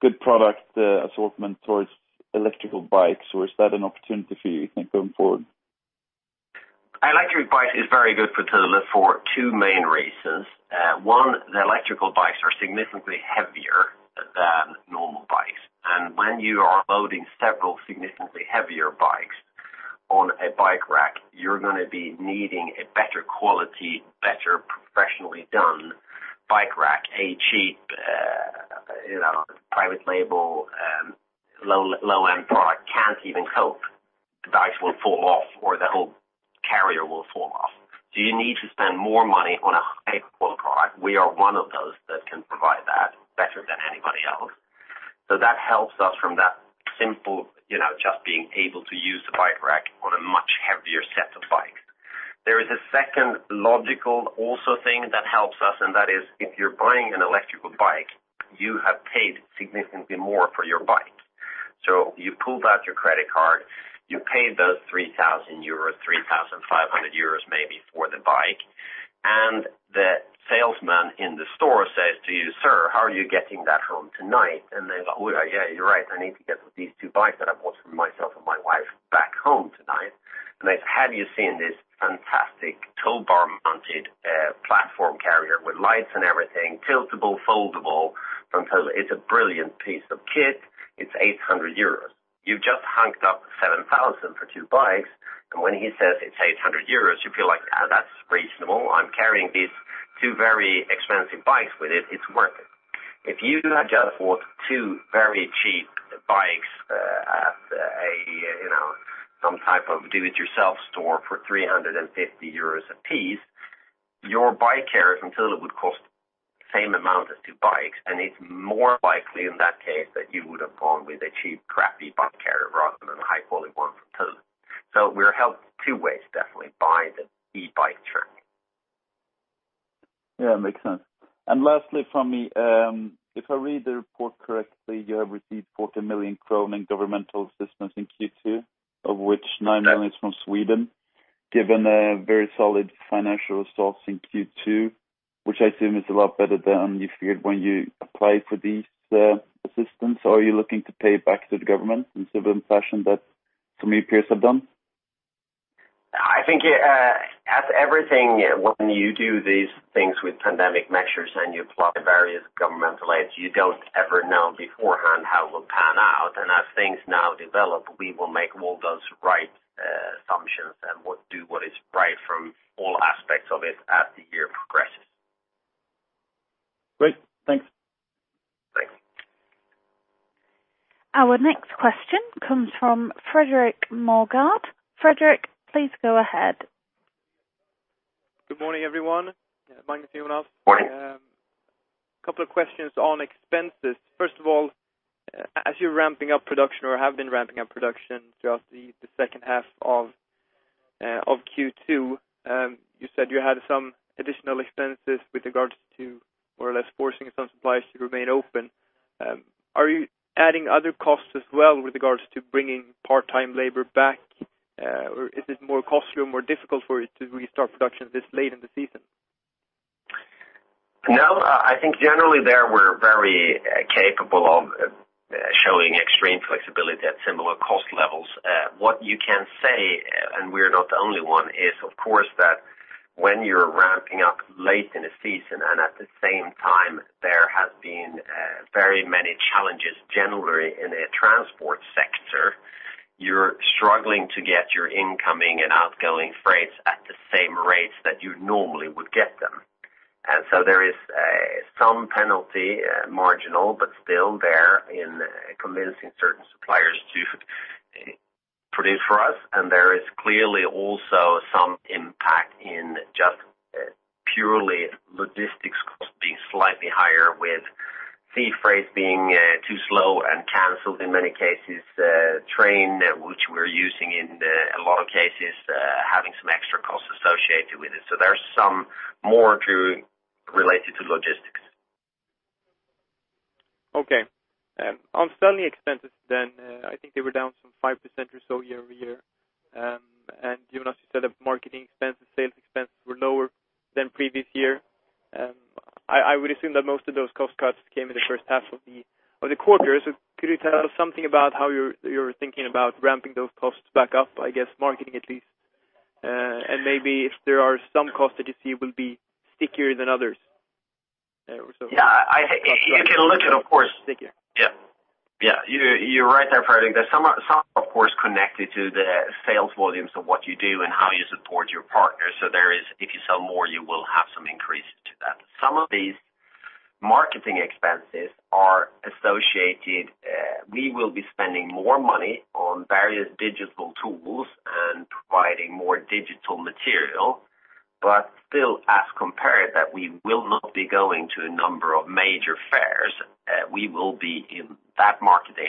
good product assortment towards electrical bikes, or is that an opportunity for you think, going forward? E-bikes is very good for Thule for two main reasons. One, the e-bikes are significantly heavier than normal bikes. When you are loading several significantly heavier bikes on a bike rack, you're going to be needing a better quality, better professionally done bike rack. A cheap private label, low-end product can't even cope. The bikes will fall off or the whole carrier will fall off. You need to spend more money on a high-quality product. We are one of those that can provide that better than anybody else. That helps us from that simple just being able to use the bike rack on a much heavier set of bikes. There is a second logical also thing that helps us, and that is if you're buying an e-bike, you have paid significantly more for your bike. You pulled out your credit card, you paid those 3,000 euros, 3,500 euros maybe for the bike, and the salesman in the store says to you, "Sir, how are you getting that home tonight?" Go, "Oh, yeah, you're right. I need to get these two bikes that I bought for myself and my wife back home tonight." He's, "Have you seen this fantastic tow bar mounted platform carrier with lights and everything, tiltable, foldable from Thule? It's a brilliant piece of kit. It's 800 euros." You've just hunked up 7,000 for two bikes, and when he says it's 800 euros, you feel like that's reasonable. I'm carrying these two very expensive bikes with it. It's worth it. If you had just bought two very cheap bikes at some type of do it yourself store for €350 a piece, your bike carrier from Thule would cost same amount as two bikes. It's more likely in that case that you would have gone with a cheap, crappy bike carrier rather than a high quality one from Thule. We're helped two ways definitely by the e-bike trend. Yeah, makes sense. Lastly from me, if I read the report correctly, you have received 40 million in governmental assistance in Q2, of which 9 million is from Sweden. Given a very solid financial results in Q2, which I assume is a lot better than you feared when you applied for this assistance, or are you looking to pay it back to the government in the same fashion that some of your peers have done? I think as everything, when you do these things with pandemic measures and you apply various governmental aids, you don't ever know beforehand how it will pan out. As things now develop, we will make all those right assumptions and do what is right from all aspects of it as the year progresses. Great. Thanks. Thanks. Our next question comes from Fredrik Ivarsson. Fredrik, please go ahead. Good morning, everyone. Magnus and Jonas. Morning. A couple of questions on expenses. First of all, as you're ramping up production or have been ramping up production throughout the second half of Q2, you said you had some additional expenses with regards to more or less forcing some suppliers to remain open. Are you adding other costs as well with regards to bringing part-time labor back? Is it more costly or more difficult for you to restart production this late in the season? No. I think generally, there, we're very capable of showing extreme flexibility at similar cost levels. What you can say, and we're not the only one, is, of course, that when you're ramping up late in a season and at the same time, there have been very many challenges generally in the transport sector, you're struggling to get your incoming and outgoing freights at the same rates that you normally would get them. There is some penalty, marginal, but still there in convincing certain suppliers to produce for us. There is clearly also some impact in just purely logistics costs being slightly higher with sea freight being too slow and canceled in many cases, train, which we're using in a lot of cases, having some extra costs associated with it. There are some more related to logistics. Okay. On selling expenses then, I think they were down some 5% or so year-over-year. Jonas, you said that marketing expenses, sales expenses were lower than previous year. I would assume that most of those cost cuts came in the first half of the quarter. Could you tell us something about how you're thinking about ramping those costs back up, I guess marketing at least? Maybe if there are some costs that you see will be stickier than others? Yeah. Stickier. You're right there, Fredrik. There's some, of course, connected to the sales volumes of what you do and how you support your partners. There is, if you sell more, you will have some increase to that. Some of these marketing expenses are associated. We will be spending more money on various digital tools and providing more digital material. Still as compared that we will not be going to a number of major fairs. We will be in that marketing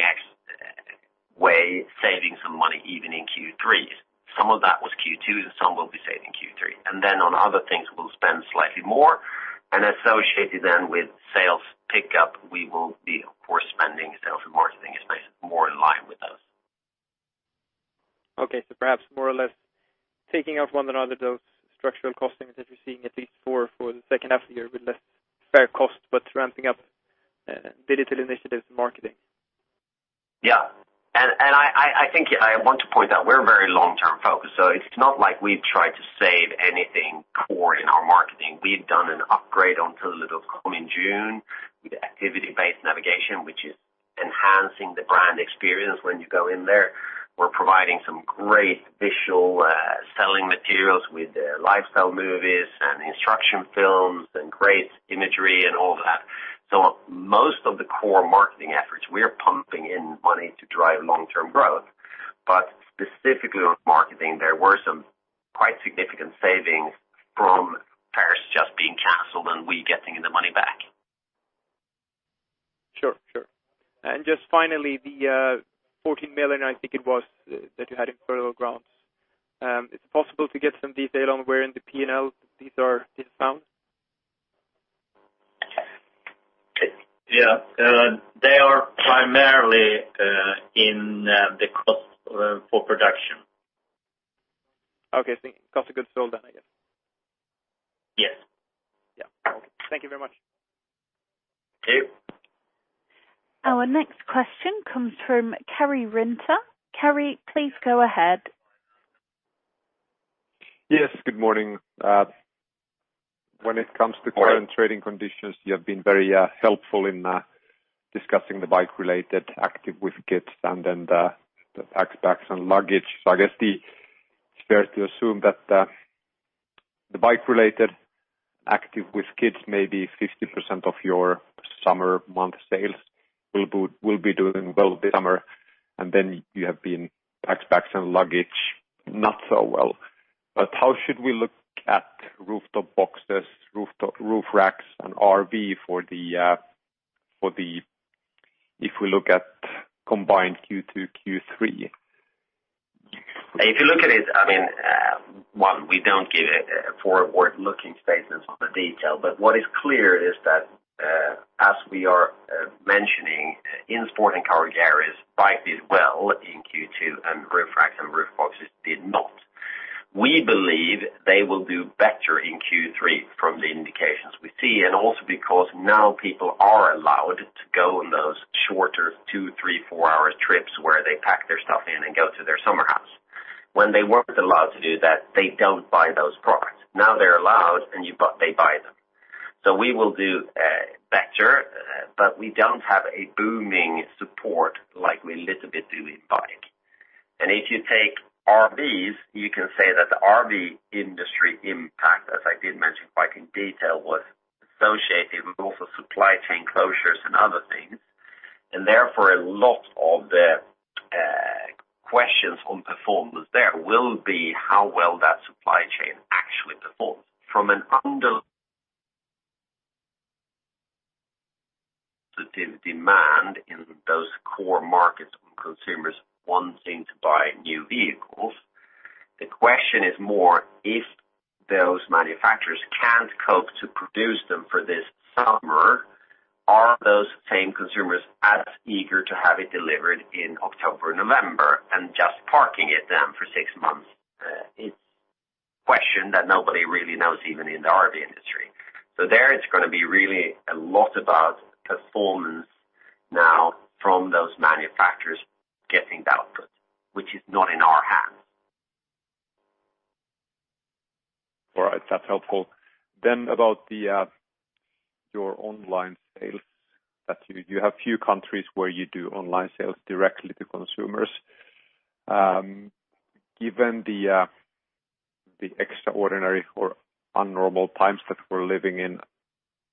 way, saving some money even in Q3. Some of that was Q2, some will be saved in Q3. On other things, we'll spend slightly more. Associated then with sales pickup, we will be, of course, spending sales and marketing expense more in line with those. Perhaps more or less taking off one another, those structural costings that you're seeing, at least for the second half of the year with less furlough costs, but ramping up digital initiatives and marketing. Yeah. I think I want to point out we're very long-term focused, so it's not like we've tried to save anything core in our marketing. We've done an upgrade on thule.com in June with activity-based navigation, which is enhancing the brand experience when you go in there. We're providing some great visual selling materials with lifestyle movies and instruction films and great imagery and all that. Most of the core marketing efforts, we are pumping in money to drive long-term growth. Specifically on marketing, there were some quite significant savings from fairs just being canceled and we getting the money back. Sure. Just finally, the 14 million, I think it was, that you had in furlough costs. Is it possible to get some detail on where in the P&L these are found? Yeah. They are primarily in the cost for production. Okay. Cost of goods sold, I guess. Yes. Yeah. Okay. Thank you very much. Okay. Our next question comes from Kerry Rinter. Kerry, please go ahead. Yes, good morning. Morning current trading conditions, you have been very helpful in discussing the bike-related, Active with Kids, and then the Backpacks and Luggage. I guess it's fair to assume that the bike-related Active with Kids may be 50% of your summer month sales will be doing well this summer, and then Backpacks and Luggage, not so well. How should we look at rooftop boxes, roof racks, and RV, if we look at combined Q2, Q3? If you look at it, one, we don't give forward-looking statements on the detail. What is clear is that, as we are mentioning in Sport & Cargo Carriers, in Q2 and roof racks and roof boxes did not. We believe they will do better in Q3 from the indications we see, and also because now people are allowed to go on those shorter two, three, four-hour trips where they pack their stuff in and go to their summer house. When they weren't allowed to do that, they don't buy those products. Now they're allowed, they buy them. We will do better, but we don't have a booming support like we little bit do in bike. If you take RVs, you can say that the RV industry impact, as I did mention quite in detail, was associated with also supply chain closures and other things. Therefore, a lot of the questions on performance there will be how well that supply chain actually performs. The demand in those core markets on consumers wanting to buy new vehicles, the question is more if those manufacturers can't cope to produce them for this summer, are those same consumers as eager to have it delivered in October, November, and just parking it then for six months? It's a question that nobody really knows even in the RV industry. There it's going to be really a lot about performance now from those manufacturers getting that output, which is not in our hands. All right. That's helpful. About your online sales that you have few countries where you do online sales directly to consumers. Given the extraordinary or un-normal times that we're living in,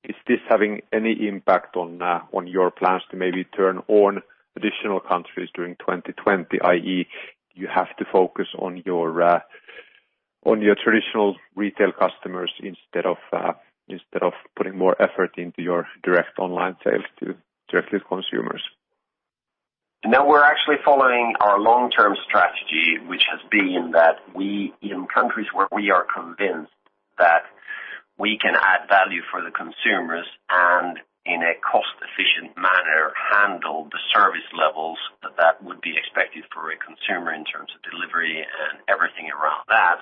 is this having any impact on your plans to maybe turn on additional countries during 2020, i.e., you have to focus on your traditional retail customers instead of putting more effort into your direct online sales directly to consumers? No, we're actually following our long-term strategy, which has been that we, in countries where we are convinced that we can add value for the consumers and in a cost-efficient manner, handle the service levels that would be expected for a consumer in terms of delivery and everything around that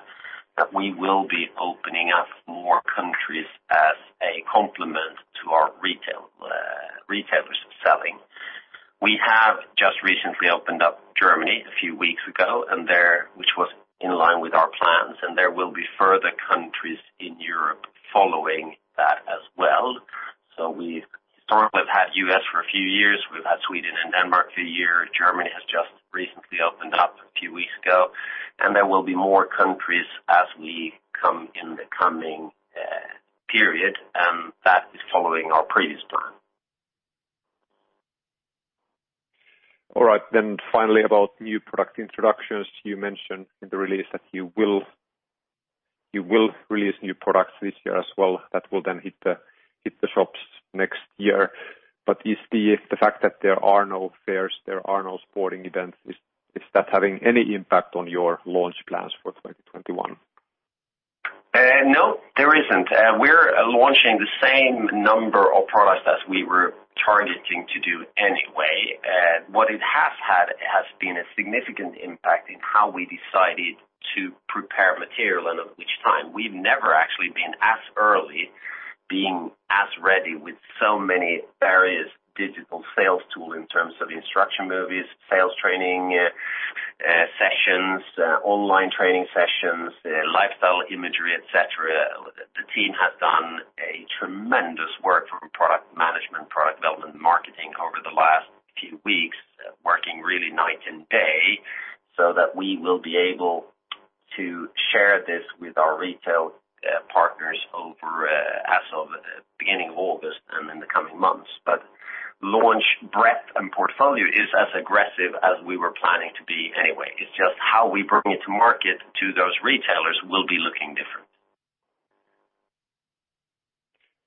we will be opening up more countries as a complement to our retailers of selling. There will be further countries in Europe following that as well. We've sort of have had U.S. for a few years. We've had Sweden and Denmark for a year. Germany has just recently opened up a few weeks ago. There will be more countries as we come in the coming period, and that is following our previous plan. All right, finally about new product introductions. You mentioned in the release that you will release new products this year as well that will then hit the shops next year. Is the fact that there are no fairs, there are no sporting events, is that having any impact on your launch plans for 2021? No, there isn't. We're launching the same number of products as we were targeting to do anyway. What it has had has been a significant impact in how we decided to prepare material and at which time. We've never actually been as early being as ready with so many various digital sales tool in terms of instruction movies, sales training sessions, online training sessions, lifestyle imagery, et cetera. The team has done a tremendous work from product management, product development, marketing over the last few weeks, working really night and day so that we will be able to share this with our retail partners as of beginning of August and in the coming months. Launch breadth and portfolio is as aggressive as we were planning to be anyway. It's just how we bring it to market to those retailers will be looking different.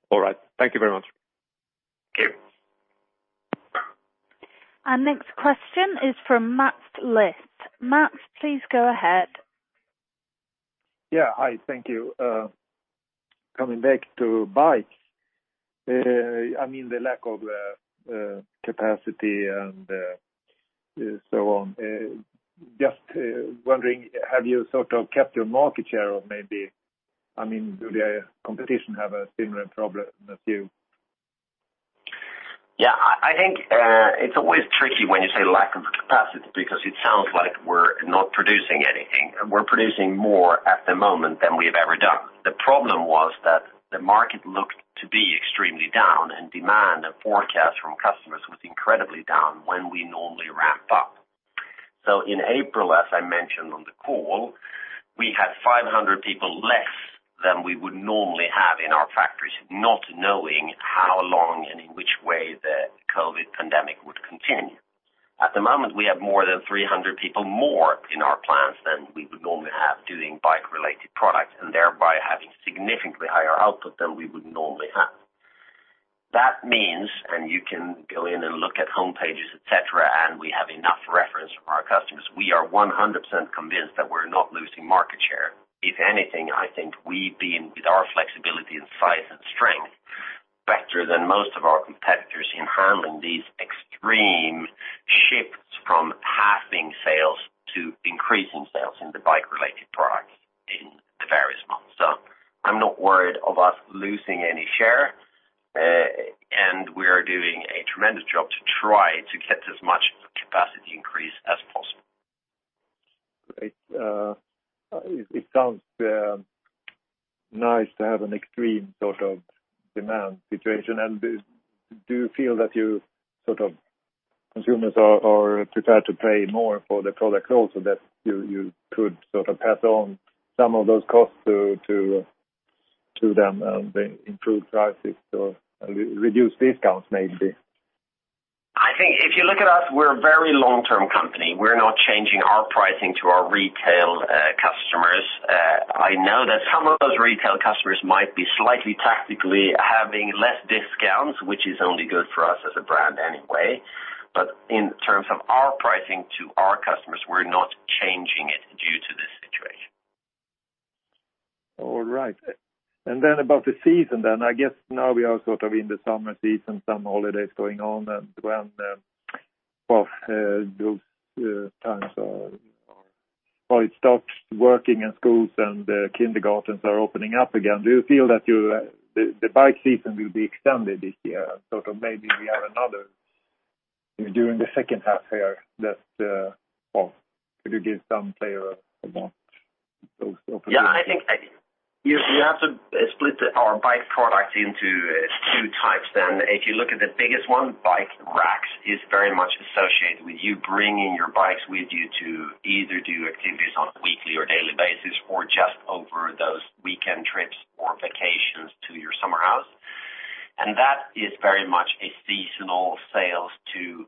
All right. Thank you very much. Okay. Our next question is from Mats Liss. Mats, please go ahead. Yeah. Hi, thank you. Coming back to bikes, the lack of capacity and so on. Just wondering, have you sort of kept your market share? Maybe, do the competition have a similar problem as you? Yeah, I think it's always tricky when you say lack of capacity because it sounds like we're not producing anything. We're producing more at the moment than we've ever done. The problem was that the market looked to be extremely down, and demand and forecast from customers was incredibly down when we normally ramp up. In April, as I mentioned on the call, we had 500 people less than we would normally have in our factories, not knowing how long and in which way the COVID pandemic would continue. At the moment, we have more than 300 people more in our plants than we would normally have doing bike-related products, and thereby having significantly higher output than we would normally have. That means, and you can go in and look at home pages, et cetera, and we have enough reference from our customers. We are 100% convinced that we're not losing market share. If anything, I think we, being with our flexibility in size and strength better than most of our competitors in handling these extreme shifts from halving sales to increasing sales in the bike-related products in the various months. I'm not worried about losing any share, and we are doing a tremendous job to try to get as much capacity increase as possible. Great. It sounds nice to have an extreme sort of demand situation. Do you feel that consumers are prepared to pay more for the product also, that you could pass on some of those costs to them, and they improve prices or reduce discounts maybe? If you look at us, we're a very long-term company. We're not changing our pricing to our retail customers. I know that some of those retail customers might be slightly tactically having less discounts, which is only good for us as a brand anyway. In terms of our pricing to our customers, we're not changing it due to this situation. All right. About the season, then I guess now we are in the summer season, some holidays going on and when those times are. It starts working and schools and kindergartens are opening up again. Do you feel that the bike season will be extended this year? Maybe we have another during the second half here that could give some play about those opportunities. You have to split our bike products into two types then. If you look at the biggest one, bike racks is very much associated with you bringing your bikes with you to either do activities on a weekly or daily basis or just over those weekend trips or vacations to your summer house. That is very much a seasonal sales to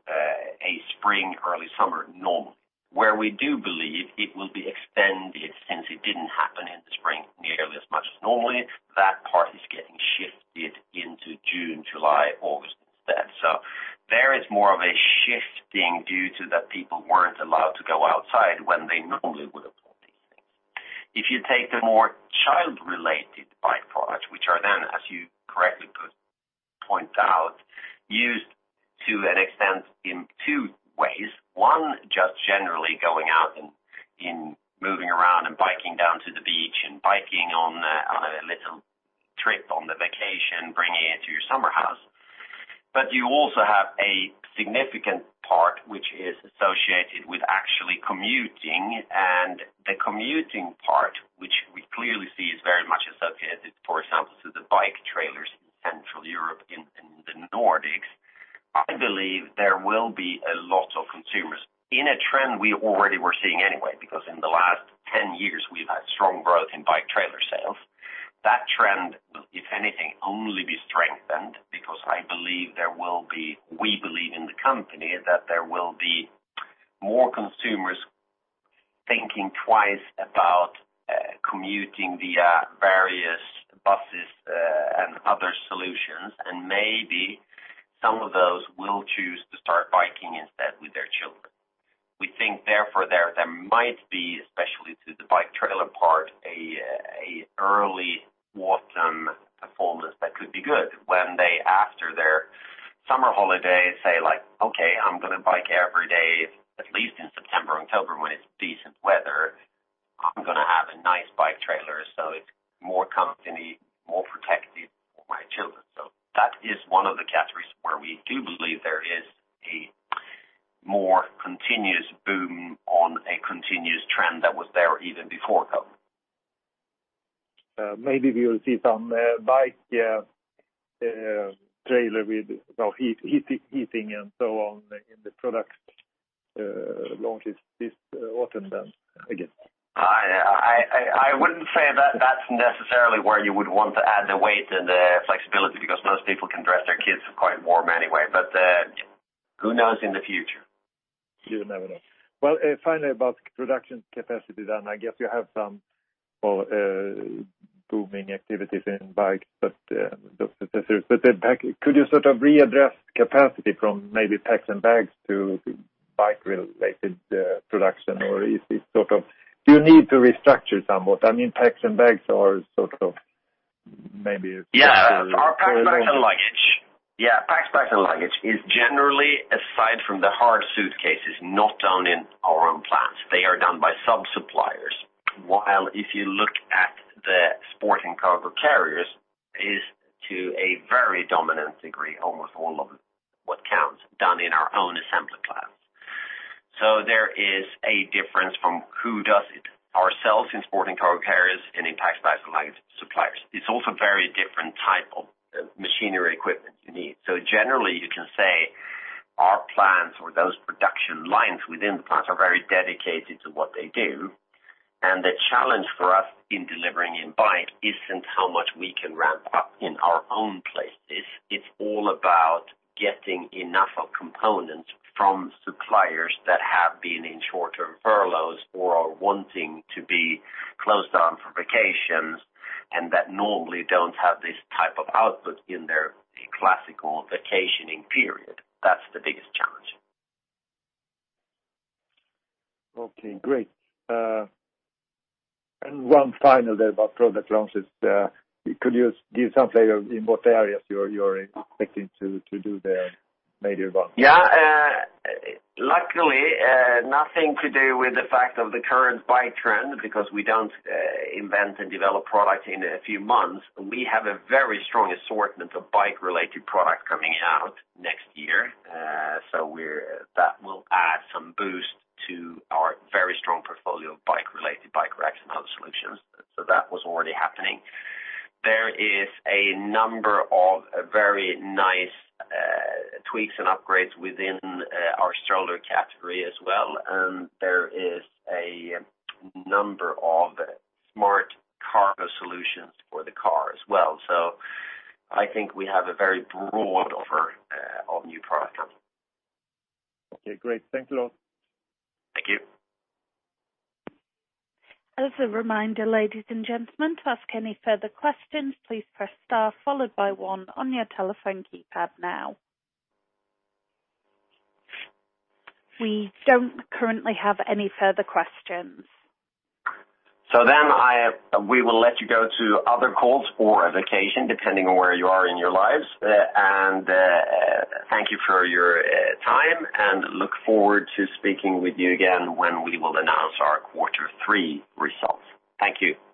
a spring, early summer norm. Where we do believe it will be extended since it didn't happen in the spring nearly as much as normally, that part is getting shifted into June, July, August instead. There is more of a shifting due to that people weren't allowed to go outside when they normally would have bought these things. If you take the more child-related bike products, which are then, as you correctly point out, used to an extent in two ways. Just generally going out and moving around and biking down to the beach and biking on a little trip on the vacation, bringing it to your summer house. You also have a significant part which is associated with actually commuting, and the commuting part, which we clearly see is very much associated, for example, to the bike trailers in Central Europe, in the Nordics. I believe there will be a lot of consumers in a trend we already were seeing anyway, because in the last 10 years, we've had strong growth in bike trailer sales. That trend, if anything, only be strengthened because we believe in the company that there will be more consumers thinking twice about commuting via various buses and other solutions, and maybe some of those will choose to start biking instead with their children. We think therefore there might be, especially to the bike trailer part, an early autumn performance that could be good when they, after their summer holiday, say, like, "Okay, I'm going to bike every day, at least in September, October, when it's decent weather. I'm going to have a nice bike trailer, so it's more company, more protective for my children." That is one of the categories where we do believe there is a more continuous boom on a continuous trend that was there even before COVID. Maybe we will see some bike trailer with heating and so on in the product launches this autumn then, I guess. I wouldn't say that's necessarily where you would want to add the weight and the flexibility because most people can dress their kids quite warm anyway, but who knows in the future? You never know. Well, finally, about production capacity, I guess you have some booming activities in bikes. Could you sort of readdress capacity from maybe Packs and Bags to bike-related production? Do you need to restructure somewhat? Packs and Bags are maybe- Yeah. Our Packs, Bags & Luggage. Yeah, Packs, Bags & Luggage is generally, aside from the hard suitcases, not done in our own plants. They are done by sub-suppliers. While if you look at the Sport & Cargo Carriers, is to a very dominant degree, almost all of what counts done in our own assembly plants. There is a difference from who does it ourselves in Sport & Cargo Carriers and in Packs, Bags & Luggage suppliers. It's also very different type of machinery equipment you need. Generally, you can say our plants or those production lines within the plants are very dedicated to what they do. The challenge for us in delivering in bike isn't how much we can ramp up in our own places. It's all about getting enough of components from suppliers that have been in short-term furloughs or are wanting to be closed down for vacations and that normally don't have this type of output in their classical vacationing period. That's the biggest challenge. Okay, great. One final there about product launches. Could you give some flavor in what areas you're expecting to do there, maybe about? Yeah. Luckily, nothing to do with the fact of the current bike trend, because we don't invent and develop products in a few months. We have a very strong assortment of bike-related products coming out next year. That will add some boost to our very strong portfolio of bike-related, bike racks, and hub solutions. That was already happening. There is a number of very nice tweaks and upgrades within our stroller category as well, and there is a number of smart cargo solutions for the car as well. I think we have a very broad offer of new product coming. Okay, great. Thanks a lot. Thank you. As a reminder, ladies and gentlemen, to ask any further questions, please press star followed by one on your telephone keypad now. We don't currently have any further questions. We will let you go to other calls or a vacation, depending on where you are in your lives. Thank you for your time and look forward to speaking with you again when we will announce our quarter three results. Thank you.